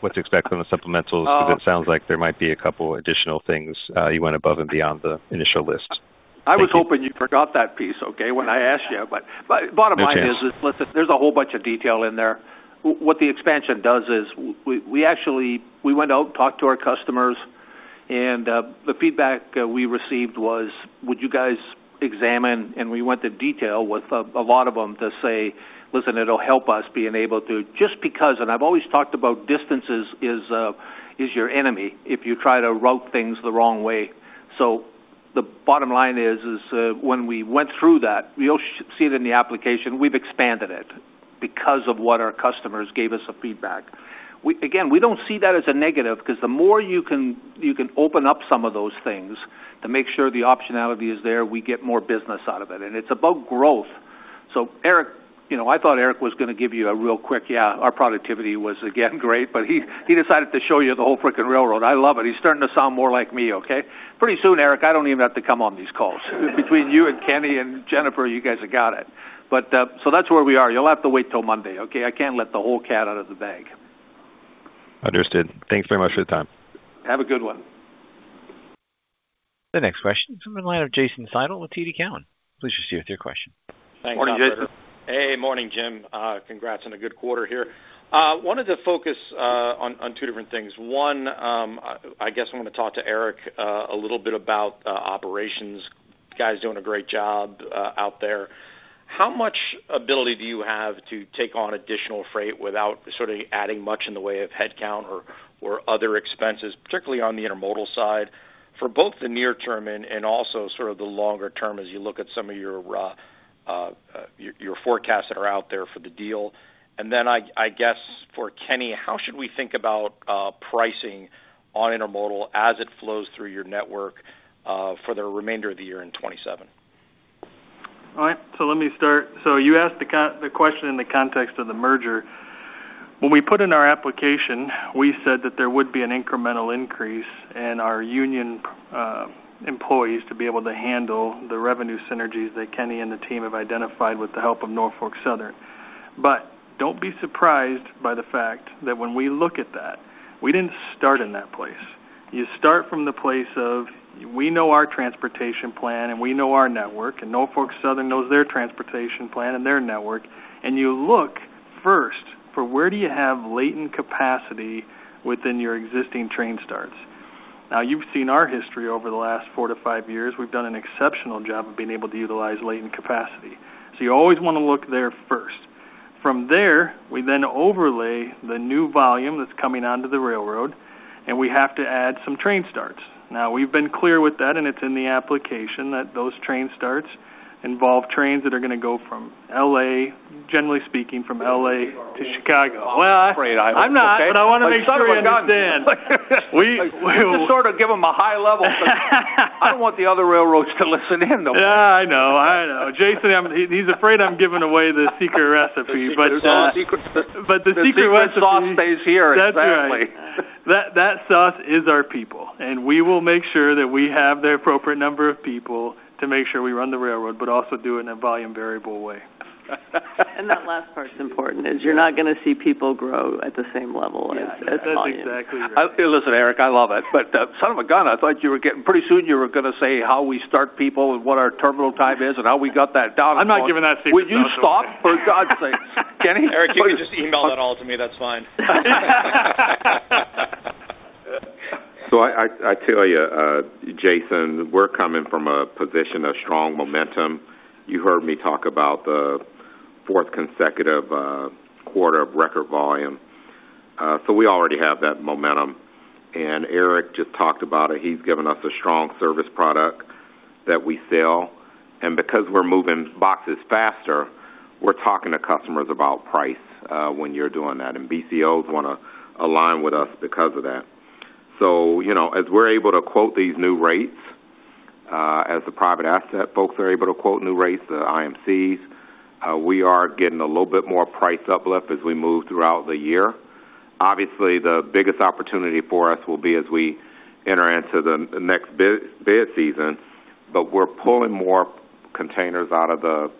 what to expect on the supplementals, because it sounds like there might be a couple additional things. You went above and beyond the initial list. Thank you. I was hoping you forgot that piece, okay, when I asked you. No chance. Bottom line is, listen, there's a whole bunch of detail in there. What the expansion does is we went out, talked to our customers, the feedback we received was, "Would you guys examine?" We went to detail with a lot of them to say, "Listen, it'll help us being able to" Just because, I've always talked about distances is your enemy if you try to route things the wrong way. The bottom line is when we went through that, you'll see it in the application, we've expanded it because of what our customers gave us of feedback. Again, we don't see that as a negative because the more you can open up some of those things to make sure the optionality is there, we get more business out of it, and it's about growth. I thought Eric was going to give you a real quick, yeah, our productivity was again great, but he decided to show you the whole freaking railroad. I love it. He's starting to sound more like me, okay? Pretty soon, Eric, I don't even have to come on these calls. Between you and Kenny and Jennifer, you guys have got it. That's where we are. You'll have to wait till Monday, okay? I can't let the whole cat out of the bag. Understood. Thanks very much for the time. Have a good one. The next question is from the line of Jason Seidl with TD Cowen. Please proceed with your question. Morning, Jason. Hey, morning, Jim. Congrats on a good quarter here. Wanted to focus on two different things. One, I guess I want to talk to Eric a little bit about operations. Guys doing a great job out there. How much ability do you have to take on additional freight without adding much in the way of headcount or other expenses, particularly on the intermodal side for both the near term and also the longer term as you look at some of your forecasts that are out there for the deal? And then, I guess for Kenny, how should we think about pricing on intermodal as it flows through your network for the remainder of the year in 2027? All right. Let me start. You asked the question in the context of the merger. When we put in our application, we said that there would be an incremental increase in our union employees to be able to handle the revenue synergies that Kenny and the team have identified with the help of Norfolk Southern. Don't be surprised by the fact that when we look at that, we didn't start in that place. You start from the place of, we know our transportation plan and we know our network, and Norfolk Southern knows their transportation plan and their network, and you look first for where do you have latent capacity within your existing train starts. Now, you've seen our history over the last four to five years. We've done an exceptional job of being able to utilize latent capacity. You always want to look there first. From there, we then overlay the new volume that's coming onto the railroad, and we have to add some train starts. Now, we've been clear with that, and it's in the application that those train starts involve trains that are going to go from L.A., generally speaking, from L.A. to Chicago. Well, I'm not, but I want to make sure you understand. Son of a gun. You just sort of give them a high level picture. I don't want the other railroads to listen in though. Yeah, I know. Jason, he's afraid I'm giving away the secret recipe. There's no secret. The secret recipe. The secret sauce stays here, sadly. That's right. That sauce is our people. We will make sure that we have the appropriate number of people to make sure we run the railroad, also do it in a volume variable way. That last part's important, is you're not going to see people grow at the same level as volume. Yeah, that's exactly right. Listen, Eric, I love it, son of a gun, I thought you were pretty soon you were going to say how we start people and what our terminal dwell is and how we got that down. I'm not giving that secret sauce away. Would you stop, for God's sakes, Kenny? Eric, you can just email that all to me, that's fine. I tell you, Jason, we're coming from a position of strong momentum. You heard me talk about the fourth consecutive quarter of record volume. We already have that momentum. Eric just talked about it. He's given us a strong service product that we sell. Because we're moving boxes faster, we're talking to customers about price when you're doing that, and BCOs want to align with us because of that. As we're able to quote these new rates, as the private asset folks are able to quote new rates to the IMCs, we are getting a little bit more price uplift as we move throughout the year. Obviously, the biggest opportunity for us will be as we enter into the next bid season, we're pulling more containers out of the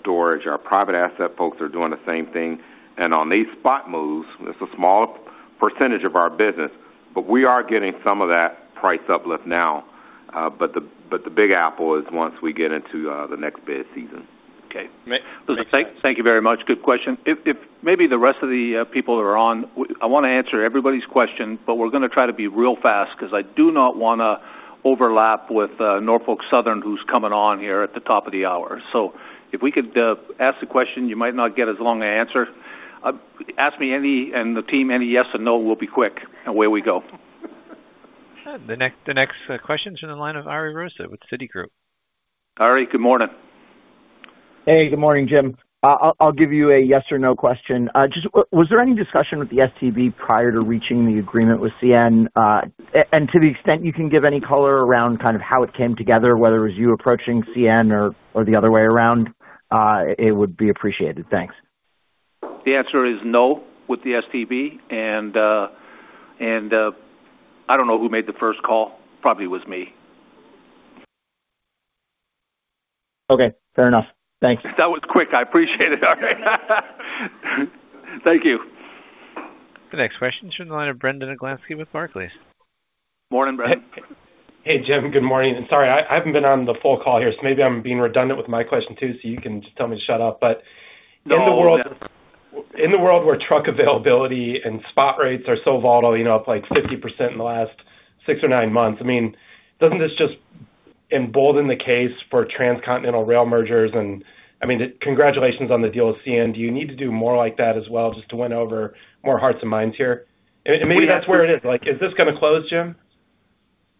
storage. Our private asset folks are doing the same thing. On these spot moves, it's a small percentage of our business, but we are getting some of that price uplift now. The big apple is once we get into the next bid season. Okay. Makes sense. Thank you very much. Good question. Maybe the rest of the people that are on, I want to answer everybody's question, but we're going to try to be real fast because I do not want to overlap with Norfolk Southern, who's coming on here at the top of the hour. If we could ask the question, you might not get as long an answer. Ask me any, and the team any yes or no, we'll be quick, and away we go. The next question's from the line of Ari Rosa with Citigroup. Ari, good morning. Hey, good morning, Jim. Just, was there any discussion with the STB prior to reaching the agreement with CN? To the extent you can give any color around how it came together, whether it was you approaching CN or the other way around, it would be appreciated. Thanks. The answer is no with the STB, and I don't know who made the first call. Probably was me. Okay, fair enough. Thanks. That was quick. I appreciate it, Ari. Thank you. The next question's from the line of Brandon Oglenski with Barclays. Morning, Brandon. Hey, Jim. Good morning. Sorry, I haven't been on the full call here, maybe I'm being redundant with my question, too, you can just tell me to shut up. No. In the world where truck availability and spot rates are so volatile, up like 50% in the last six or nine months, doesn't this just embolden the case for transcontinental rail mergers? Congratulations on the deal with CN. Do you need to do more like that as well just to win over more hearts and minds here? Maybe that's where it is. Is this going to close, Jim?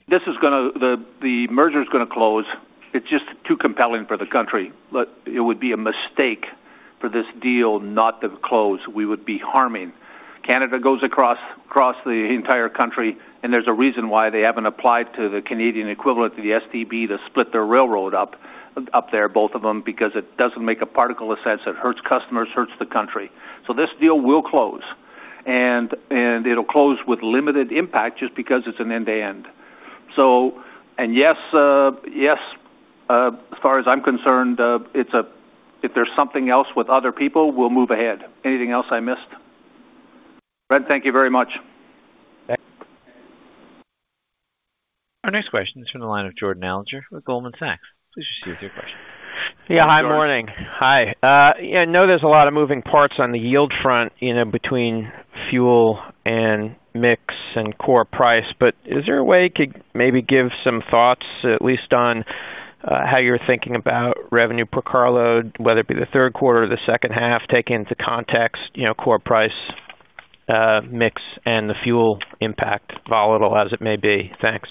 The merger's going to close. It's just too compelling for the country. It would be a mistake for this deal not to close. We would be harming. Canada goes across the entire country, and there's a reason why they haven't applied to the Canadian equivalent to the STB to split their railroad up there, both of them, because it doesn't make a particle of sense. It hurts customers, hurts the country. This deal will close. It'll close with limited impact just because it's an end-to-end. Yes, as far as I'm concerned, if there's something else with other people, we'll move ahead. Anything else I missed? Brandon, thank you very much. Our next question's from the line of Jordan Alliger with Goldman Sachs. Please proceed with your question. Yeah, hi, morning. Hi, Jordan. Hi. I know there's a lot of moving parts on the yield front between fuel and mix and core price, is there a way you could maybe give some thoughts, at least on how you're thinking about revenue per car load, whether it be the third quarter or the second half, take into context core price, mix, and the fuel impact, volatile as it may be? Thanks.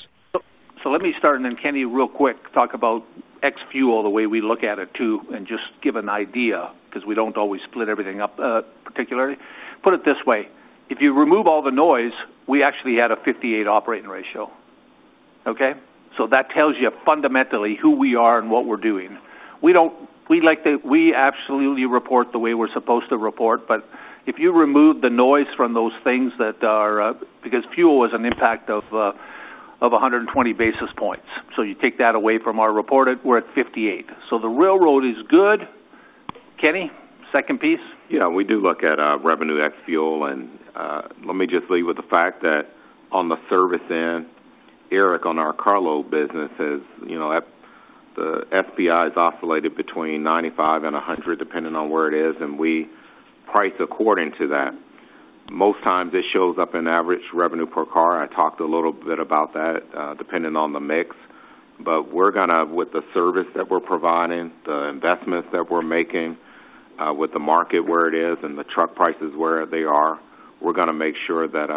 Let me start, then Kenny, real quick, talk about ex fuel, the way we look at it, too, and just give an idea because we don't always split everything up particularly. Put it this way, if you remove all the noise, we actually had a 58 operating ratio. Okay? That tells you fundamentally who we are and what we're doing. We absolutely report the way we're supposed to report. If you remove the noise from those things because fuel was an impact of 120 basis points. You take that away from our reported, we're at 58. The railroad is good. Kenny, second piece. Yeah, we do look at revenue ex-fuel. Let me just leave with the fact that on the service end, Eric, on our carload business, the FBI has oscillated between 95 and 100, depending on where it is, and we price according to that. Most times, it shows up in average revenue per car. I talked a little bit about that, depending on the mix. With the service that we're providing, the investments that we're making, with the market where it is and the truck prices where they are, we're going to make sure that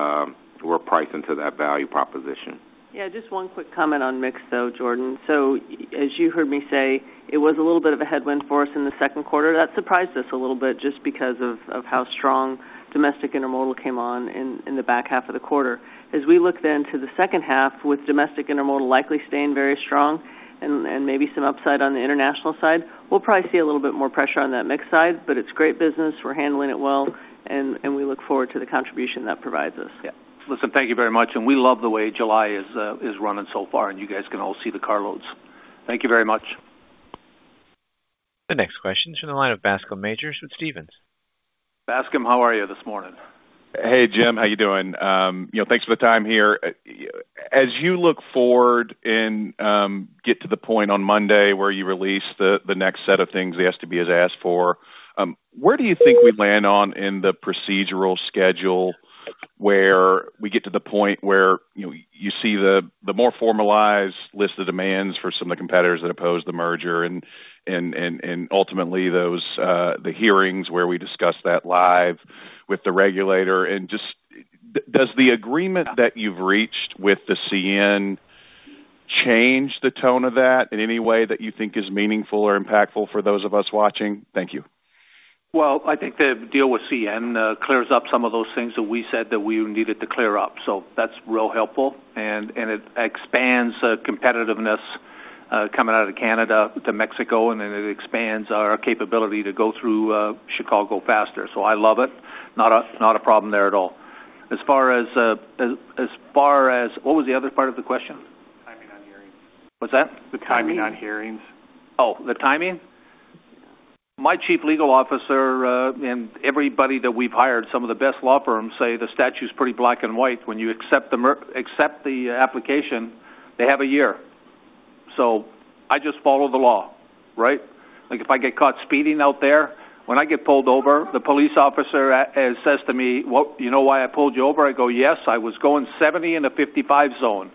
we're pricing to that value proposition. Yeah, just one quick comment on mix, though, Jordan. As you heard me say, it was a little bit of a headwind for us in the second quarter that surprised us a little bit just because of how strong domestic intermodal came on in the back half of the quarter. As we look then to the second half with domestic intermodal likely staying very strong and maybe some upside on the international side, we'll probably see a little bit more pressure on that mix side. It's great business. We're handling it well, and we look forward to the contribution that provides us. Listen, thank you very much, and we love the way July is running so far, and you guys can all see the car loads. Thank you very much. The next question is from the line of Bascome Majors with Stephens. Bascome, how are you this morning? Hey, Jim. How you doing? Thanks for the time here. As you look forward and get to the point on Monday where you release the next set of things the STB has asked for, where do you think we land on in the procedural schedule where we get to the point where you see the more formalized list of demands for some of the competitors that oppose the merger and ultimately, the hearings where we discuss that live with the regulator? Does the agreement that you've reached with the CN change the tone of that in any way that you think is meaningful or impactful for those of us watching? Thank you. Well, I think the deal with CN clears up some of those things that we said that we needed to clear up. That's real helpful, it expands competitiveness coming out of Canada to Mexico, it expands our capability to go through Chicago faster. I love it. Not a problem there at all. What was the other part of the question? Timing on hearings. What's that? The timing on hearings. The timing? My chief legal officer and everybody that we've hired, some of the best law firms, say the statute's pretty black and white. When you accept the application, they have a year. I just follow the law, right? Like, if I get caught speeding out there, when I get pulled over, the police officer says to me, "You know why I pulled you over?" I go, "Yes, I was going 70 in a 55 zone."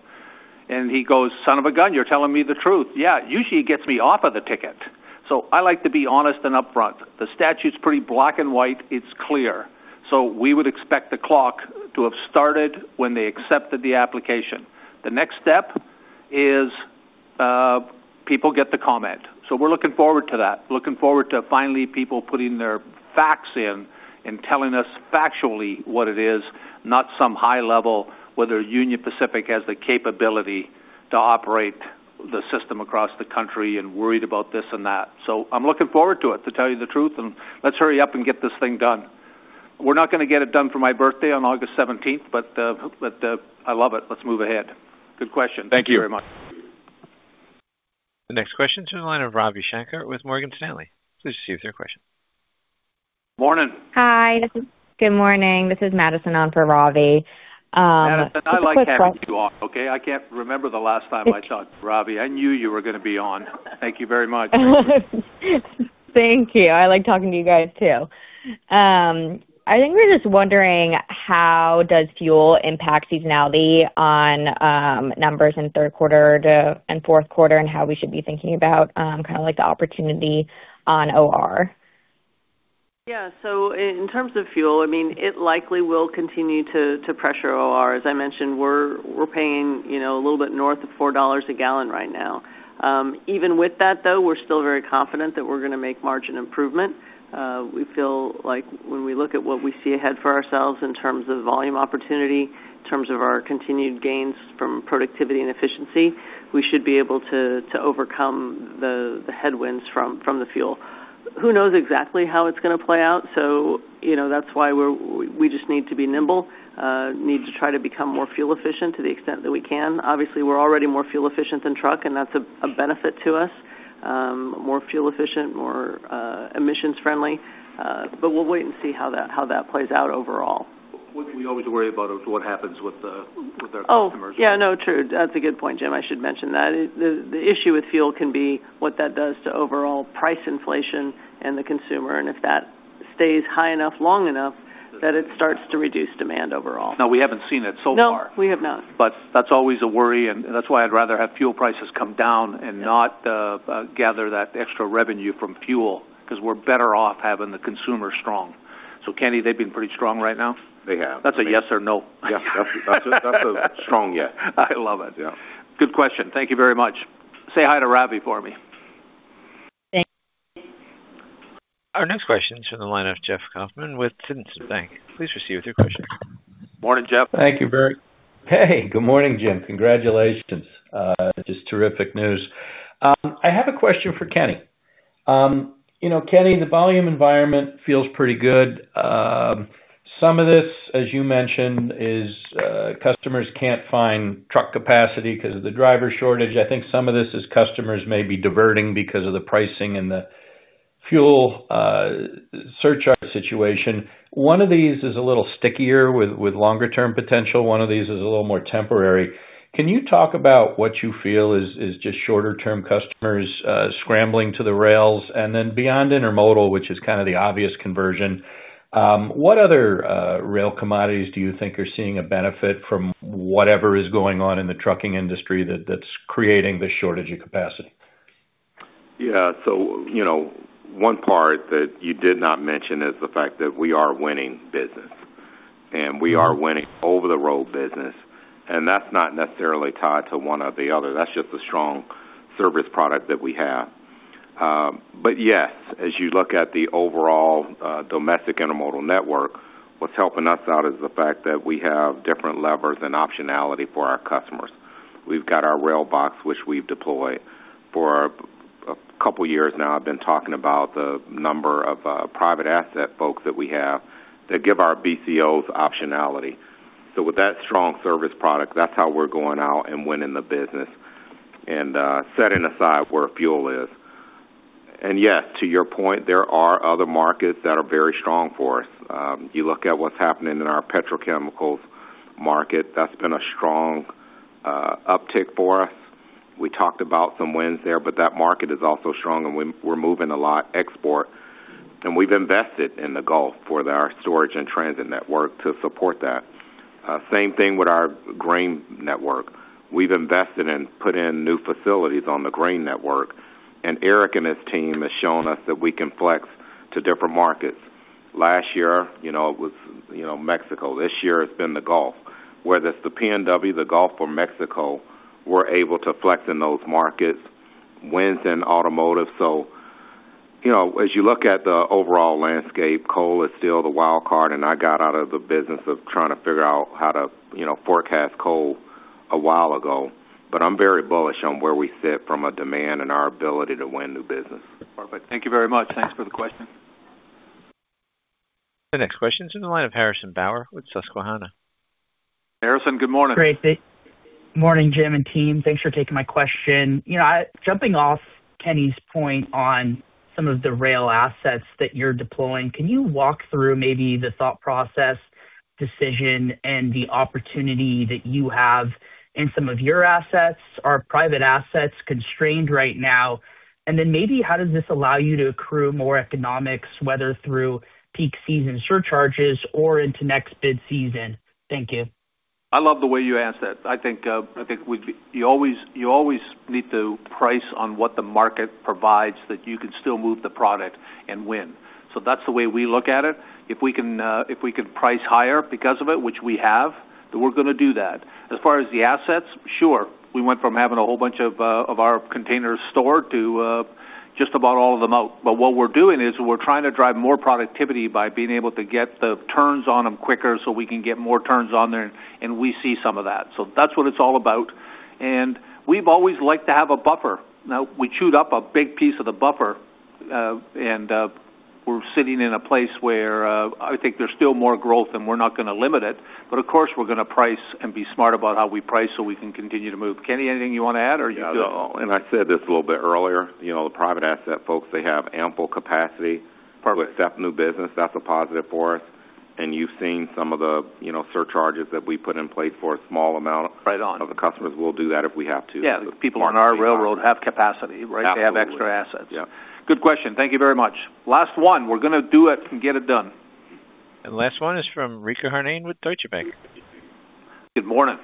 He goes, "Son of a gun, you're telling me the truth." Yeah. Usually, it gets me off of the ticket. I like to be honest and upfront. The statute's pretty black and white. It's clear. We would expect the clock to have started when they accepted the application. The next step is people get to comment. We're looking forward to that, looking forward to finally people putting their facts in and telling us factually what it is, not some high level, whether Union Pacific has the capability to operate the system across the country and worried about this and that. I'm looking forward to it, to tell you the truth, let's hurry up and get this thing done. We're not going to get it done for my birthday on August 17th, but I love it. Let's move ahead. Good question. Thank you. Thank you very much. The next question is from the line of Ravi Shanker with Morgan Stanley. Please proceed with your question. Morning. Hi, good morning. This is Madison on for Ravi. Madison, I like having you on, okay? I can't remember the last time I talked to Ravi. I knew you were going to be on. Thank you very much. Thank you. I like talking to you guys, too. I think we're just wondering how does fuel impact seasonality on numbers in third quarter and fourth quarter, and how we should be thinking about the opportunity on OR. Yeah. In terms of fuel, it likely will continue to pressure OR. As I mentioned, we're paying a little bit north of $4 a gallon right now. Even with that, though, we're still very confident that we're going to make margin improvement. We feel like when we look at what we see ahead for ourselves in terms of volume opportunity, in terms of our continued gains from productivity and efficiency, we should be able to overcome the headwinds from the fuel. Who knows exactly how it's going to play out? That's why we just need to be nimble, need to try to become more fuel efficient to the extent that we can. Obviously, we're already more fuel efficient than truck, and that's a benefit to us. More fuel efficient, more emissions friendly. We'll wait and see how that plays out overall. We always worry about what happens with our customers. Oh, yeah. No, true. That's a good point, Jim. I should mention that. The issue with fuel can be what that does to overall price inflation and the consumer, and if that stays high enough long enough, that it starts to reduce demand overall. We haven't seen it so far. We have not. That's always a worry, and that's why I'd rather have fuel prices come down and not gather that extra revenue from fuel, because we're better off having the consumer strong. Kenny, they've been pretty strong right now? They have. That's a yes or no. Yes. That's a strong yes. I love it. Yeah. Good question. Thank you very much. Say hi to Ravi for me. Our next question is in the line of Jeff Kauffman with Citizens Bank. Please proceed with your question. Morning, Jeff. Thank you, Barry. Hey, good morning, Jim. Congratulations. Just terrific news. I have a question for Kenny. Kenny, the volume environment feels pretty good. Some of this, as you mentioned, is customers can't find truck capacity because of the driver shortage. I think some of this is customers may be diverting because of the pricing and the fuel surcharge situation. One of these is a little longer-term potential. One of these is a little more temporary. Can you talk about what you feel is just shorter-term customers scrambling to the rails? Then beyond intermodal, which is kind of the obvious conversion, what other rail commodities do you think are seeing a benefit from whatever is going on in the trucking industry that's creating this shortage of capacity? Yeah. One part that you did not mention is the fact that we are winning business, and we are winning over-the-road business, and that's not necessarily tied to one or the other. That's just a strong service product that we have. Yes, as you look at the overall domestic intermodal network, what's helping us out is the fact that we have different levers and optionality for our customers. We've got our RailBox, which we've deployed. For a couple of years now, I've been talking about the number of private asset folks that we have that give our BCOs optionality. With that strong service product, that's how we're going out and winning the business and setting aside where fuel is. Yes, to your point, there are other markets that are very strong for us. You look at what's happening in our petrochemicals market, that's been a strong uptick for us. We talked about some wins there, but that market is also strong and we're moving a lot export. We've invested in the Gulf for our storage and transit network to support that. Same thing with our grain network. We've invested and put in new facilities on the grain network, and Eric and his team has shown us that we can flex to different markets. Last year, it was Mexico. This year it's been the Gulf. Whether it's the PNW, the Gulf or Mexico, we're able to flex in those markets, wins in automotive. As you look at the overall landscape, coal is still the wild card, and I got out of the business of trying to figure out how to forecast coal a while ago. I'm very bullish on where we sit from a demand and our ability to win new business. Perfect. Thank you very much. Thanks for the question. The next question is in the line of Harrison Bauer with Susquehanna. Harrison, good morning. Great. Morning, Jim and team. Thanks for taking my question. Jumping off Kenny's point on some of the rail assets that you're deploying, can you walk through maybe the thought process, decision and the opportunity that you have in some of your assets? Are private assets constrained right now? Then maybe how does this allow you to accrue more economics, whether through peak season surcharges or into next bid season? Thank you. I love the way you asked that. I think you always need to price on what the market provides that you can still move the product and win. That's the way we look at it. If we can price higher because of it, which we have, we're going to do that. As far as the assets, sure. We went from having a whole bunch of our containers stored to just about all of them out. What we're doing is we're trying to drive more productivity by being able to get the turns on them quicker so we can get more turns on there, we see some of that. That's what it's all about. We've always liked to have a buffer. Now, we chewed up a big piece of the buffer, we're sitting in a place where I think there's still more growth we're not going to limit it. Of course, we're going to price and be smart about how we price so we can continue to move. Kenny, anything you want to add or you good? No. I said this a little bit earlier, the private asset folks, they have ample capacity. Perfect. That's new business. That's a positive for us. You've seen some of the surcharges that we put in place for a small amount of the customers. We'll do that if we have to. Right on. Yeah. People on our railroad have capacity, right? Absolutely. They have extra assets. Yeah. Good question. Thank you very much. Last one. We're going to do it and get it done. Last one is from Richa Harnain with Deutsche Bank. Good morning.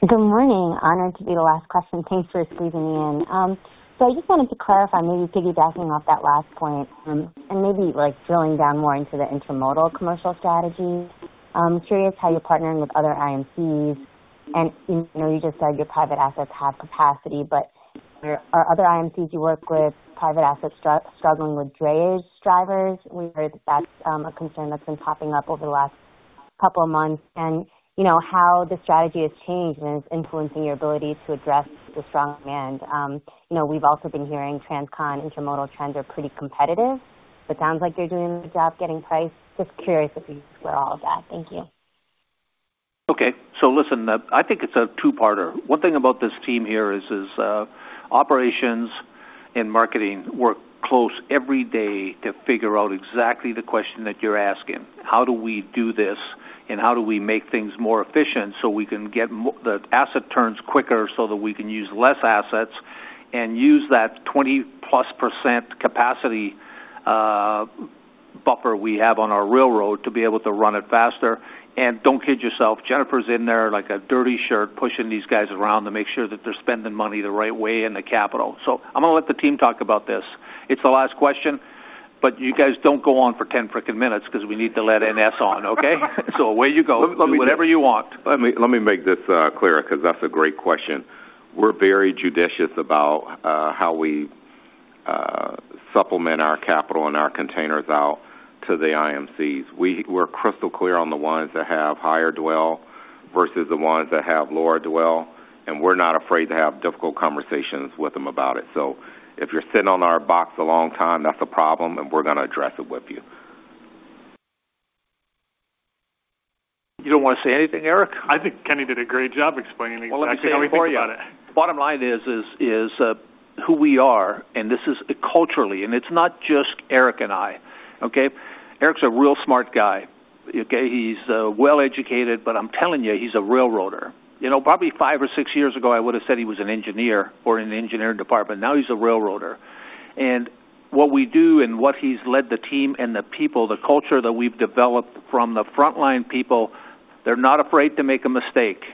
Good morning. Honored to be the last question. Thanks for squeezing me in. I just wanted to clarify, maybe piggybacking off that last point and maybe drilling down more into the intermodal commercial strategy. I'm curious how you're partnering with other IMCs, and I know you just said your private assets have capacity, but are other IMCs you work with private assets struggling with drayage drivers? We've heard that's a concern that's been popping up over the last couple of months, and how the strategy has changed and is influencing your ability to address the strong demand. We've also been hearing transcon intermodal trends are pretty competitive. It sounds like you're doing a good job getting price. Just curious if you could square all of that. Thank you. Okay. Listen, I think it's a two-parter. One thing about this team here is operations and marketing work close every day to figure out exactly the question that you're asking. How do we do this, and how do we make things more efficient so we can get the asset turns quicker so that we can use less assets and use that +20% capacity buffer we have on our railroad to be able to run it faster? Don't kid yourself, Jennifer is in there like a dirty shirt, pushing these guys around to make sure that they're spending money the right way and the capital. I'm going to let the team talk about this. It's the last question, but you guys don't go on for 10 freaking minutes because we need to let NS on, okay? Away you go. Do whatever you want. Let me make this clear because that's a great question. We're very judicious about how we supplement our capital and our containers out to the IMCs. We're crystal clear on the ones that have higher dwell versus the ones that have lower dwell, and we're not afraid to have difficult conversations with them about it. If you're sitting on our box a long time, that's a problem, and we're going to address it with you. You don't want to say anything, Eric? I think Kenny did a great job explaining exactly how we think about it. Well, let me say it for you. Bottom line is who we are, and this is culturally, and it's not just Eric and I, okay? Eric's a real smart guy. He's well-educated, but I'm telling you, he's a railroader. Probably five or six years ago, I would have said he was an engineer or in the engineering department. Now he's a railroader. What we do and what he's led the team and the people, the culture that we've developed from the frontline people, they're not afraid to make a mistake.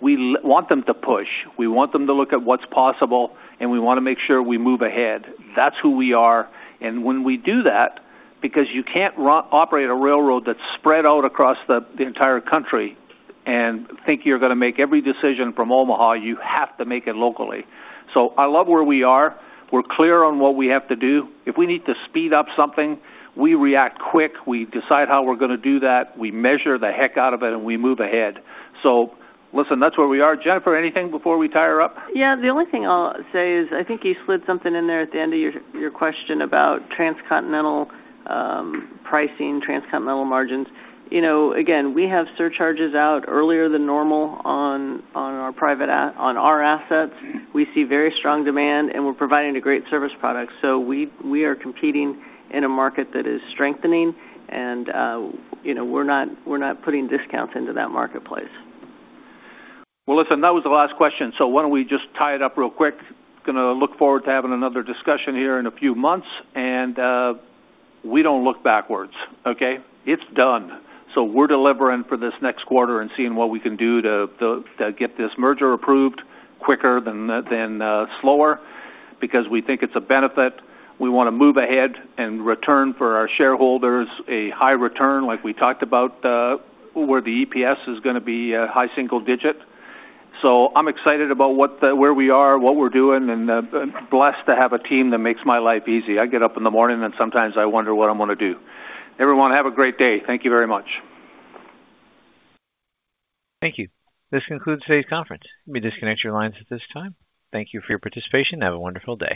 We want them to push. We want them to look at what's possible, and we want to make sure we move ahead. That's who we are When we do that, because you can't operate a railroad that's spread out across the entire country and think you're going to make every decision from Omaha, you have to make it locally. I love where we are. We're clear on what we have to do. If we need to speed up something, we react quick. We decide how we're going to do that. We measure the heck out of it, and we move ahead. Listen, that's where we are. Jennifer, anything before we tie her up? Yeah. The only thing I'll say is, I think you slid something in there at the end of your question about transcontinental pricing, transcontinental margins. Again, we have surcharges out earlier than normal on our assets. We see very strong demand, and we're providing a great service product. We are competing in a market that is strengthening, and we're not putting discounts into that marketplace. Well, listen, that was the last question. Why don't we just tie it up real quick? We are going to look forward to having another discussion here in a few months, and we don't look backwards, okay? It's done. We're delivering for this next quarter and seeing what we can do to get this merger approved quicker than slower because we think it's a benefit. We want to move ahead and return for our shareholders a high return like we talked about, where the EPS is going to be high single digit. I'm excited about where we are, what we're doing, and blessed to have a team that makes my life easy. I get up in the morning and sometimes I wonder what I'm going to do. Everyone, have a great day. Thank you very much. Thank you. This concludes today's conference. You may disconnect your lines at this time. Thank you for your participation. Have a wonderful day.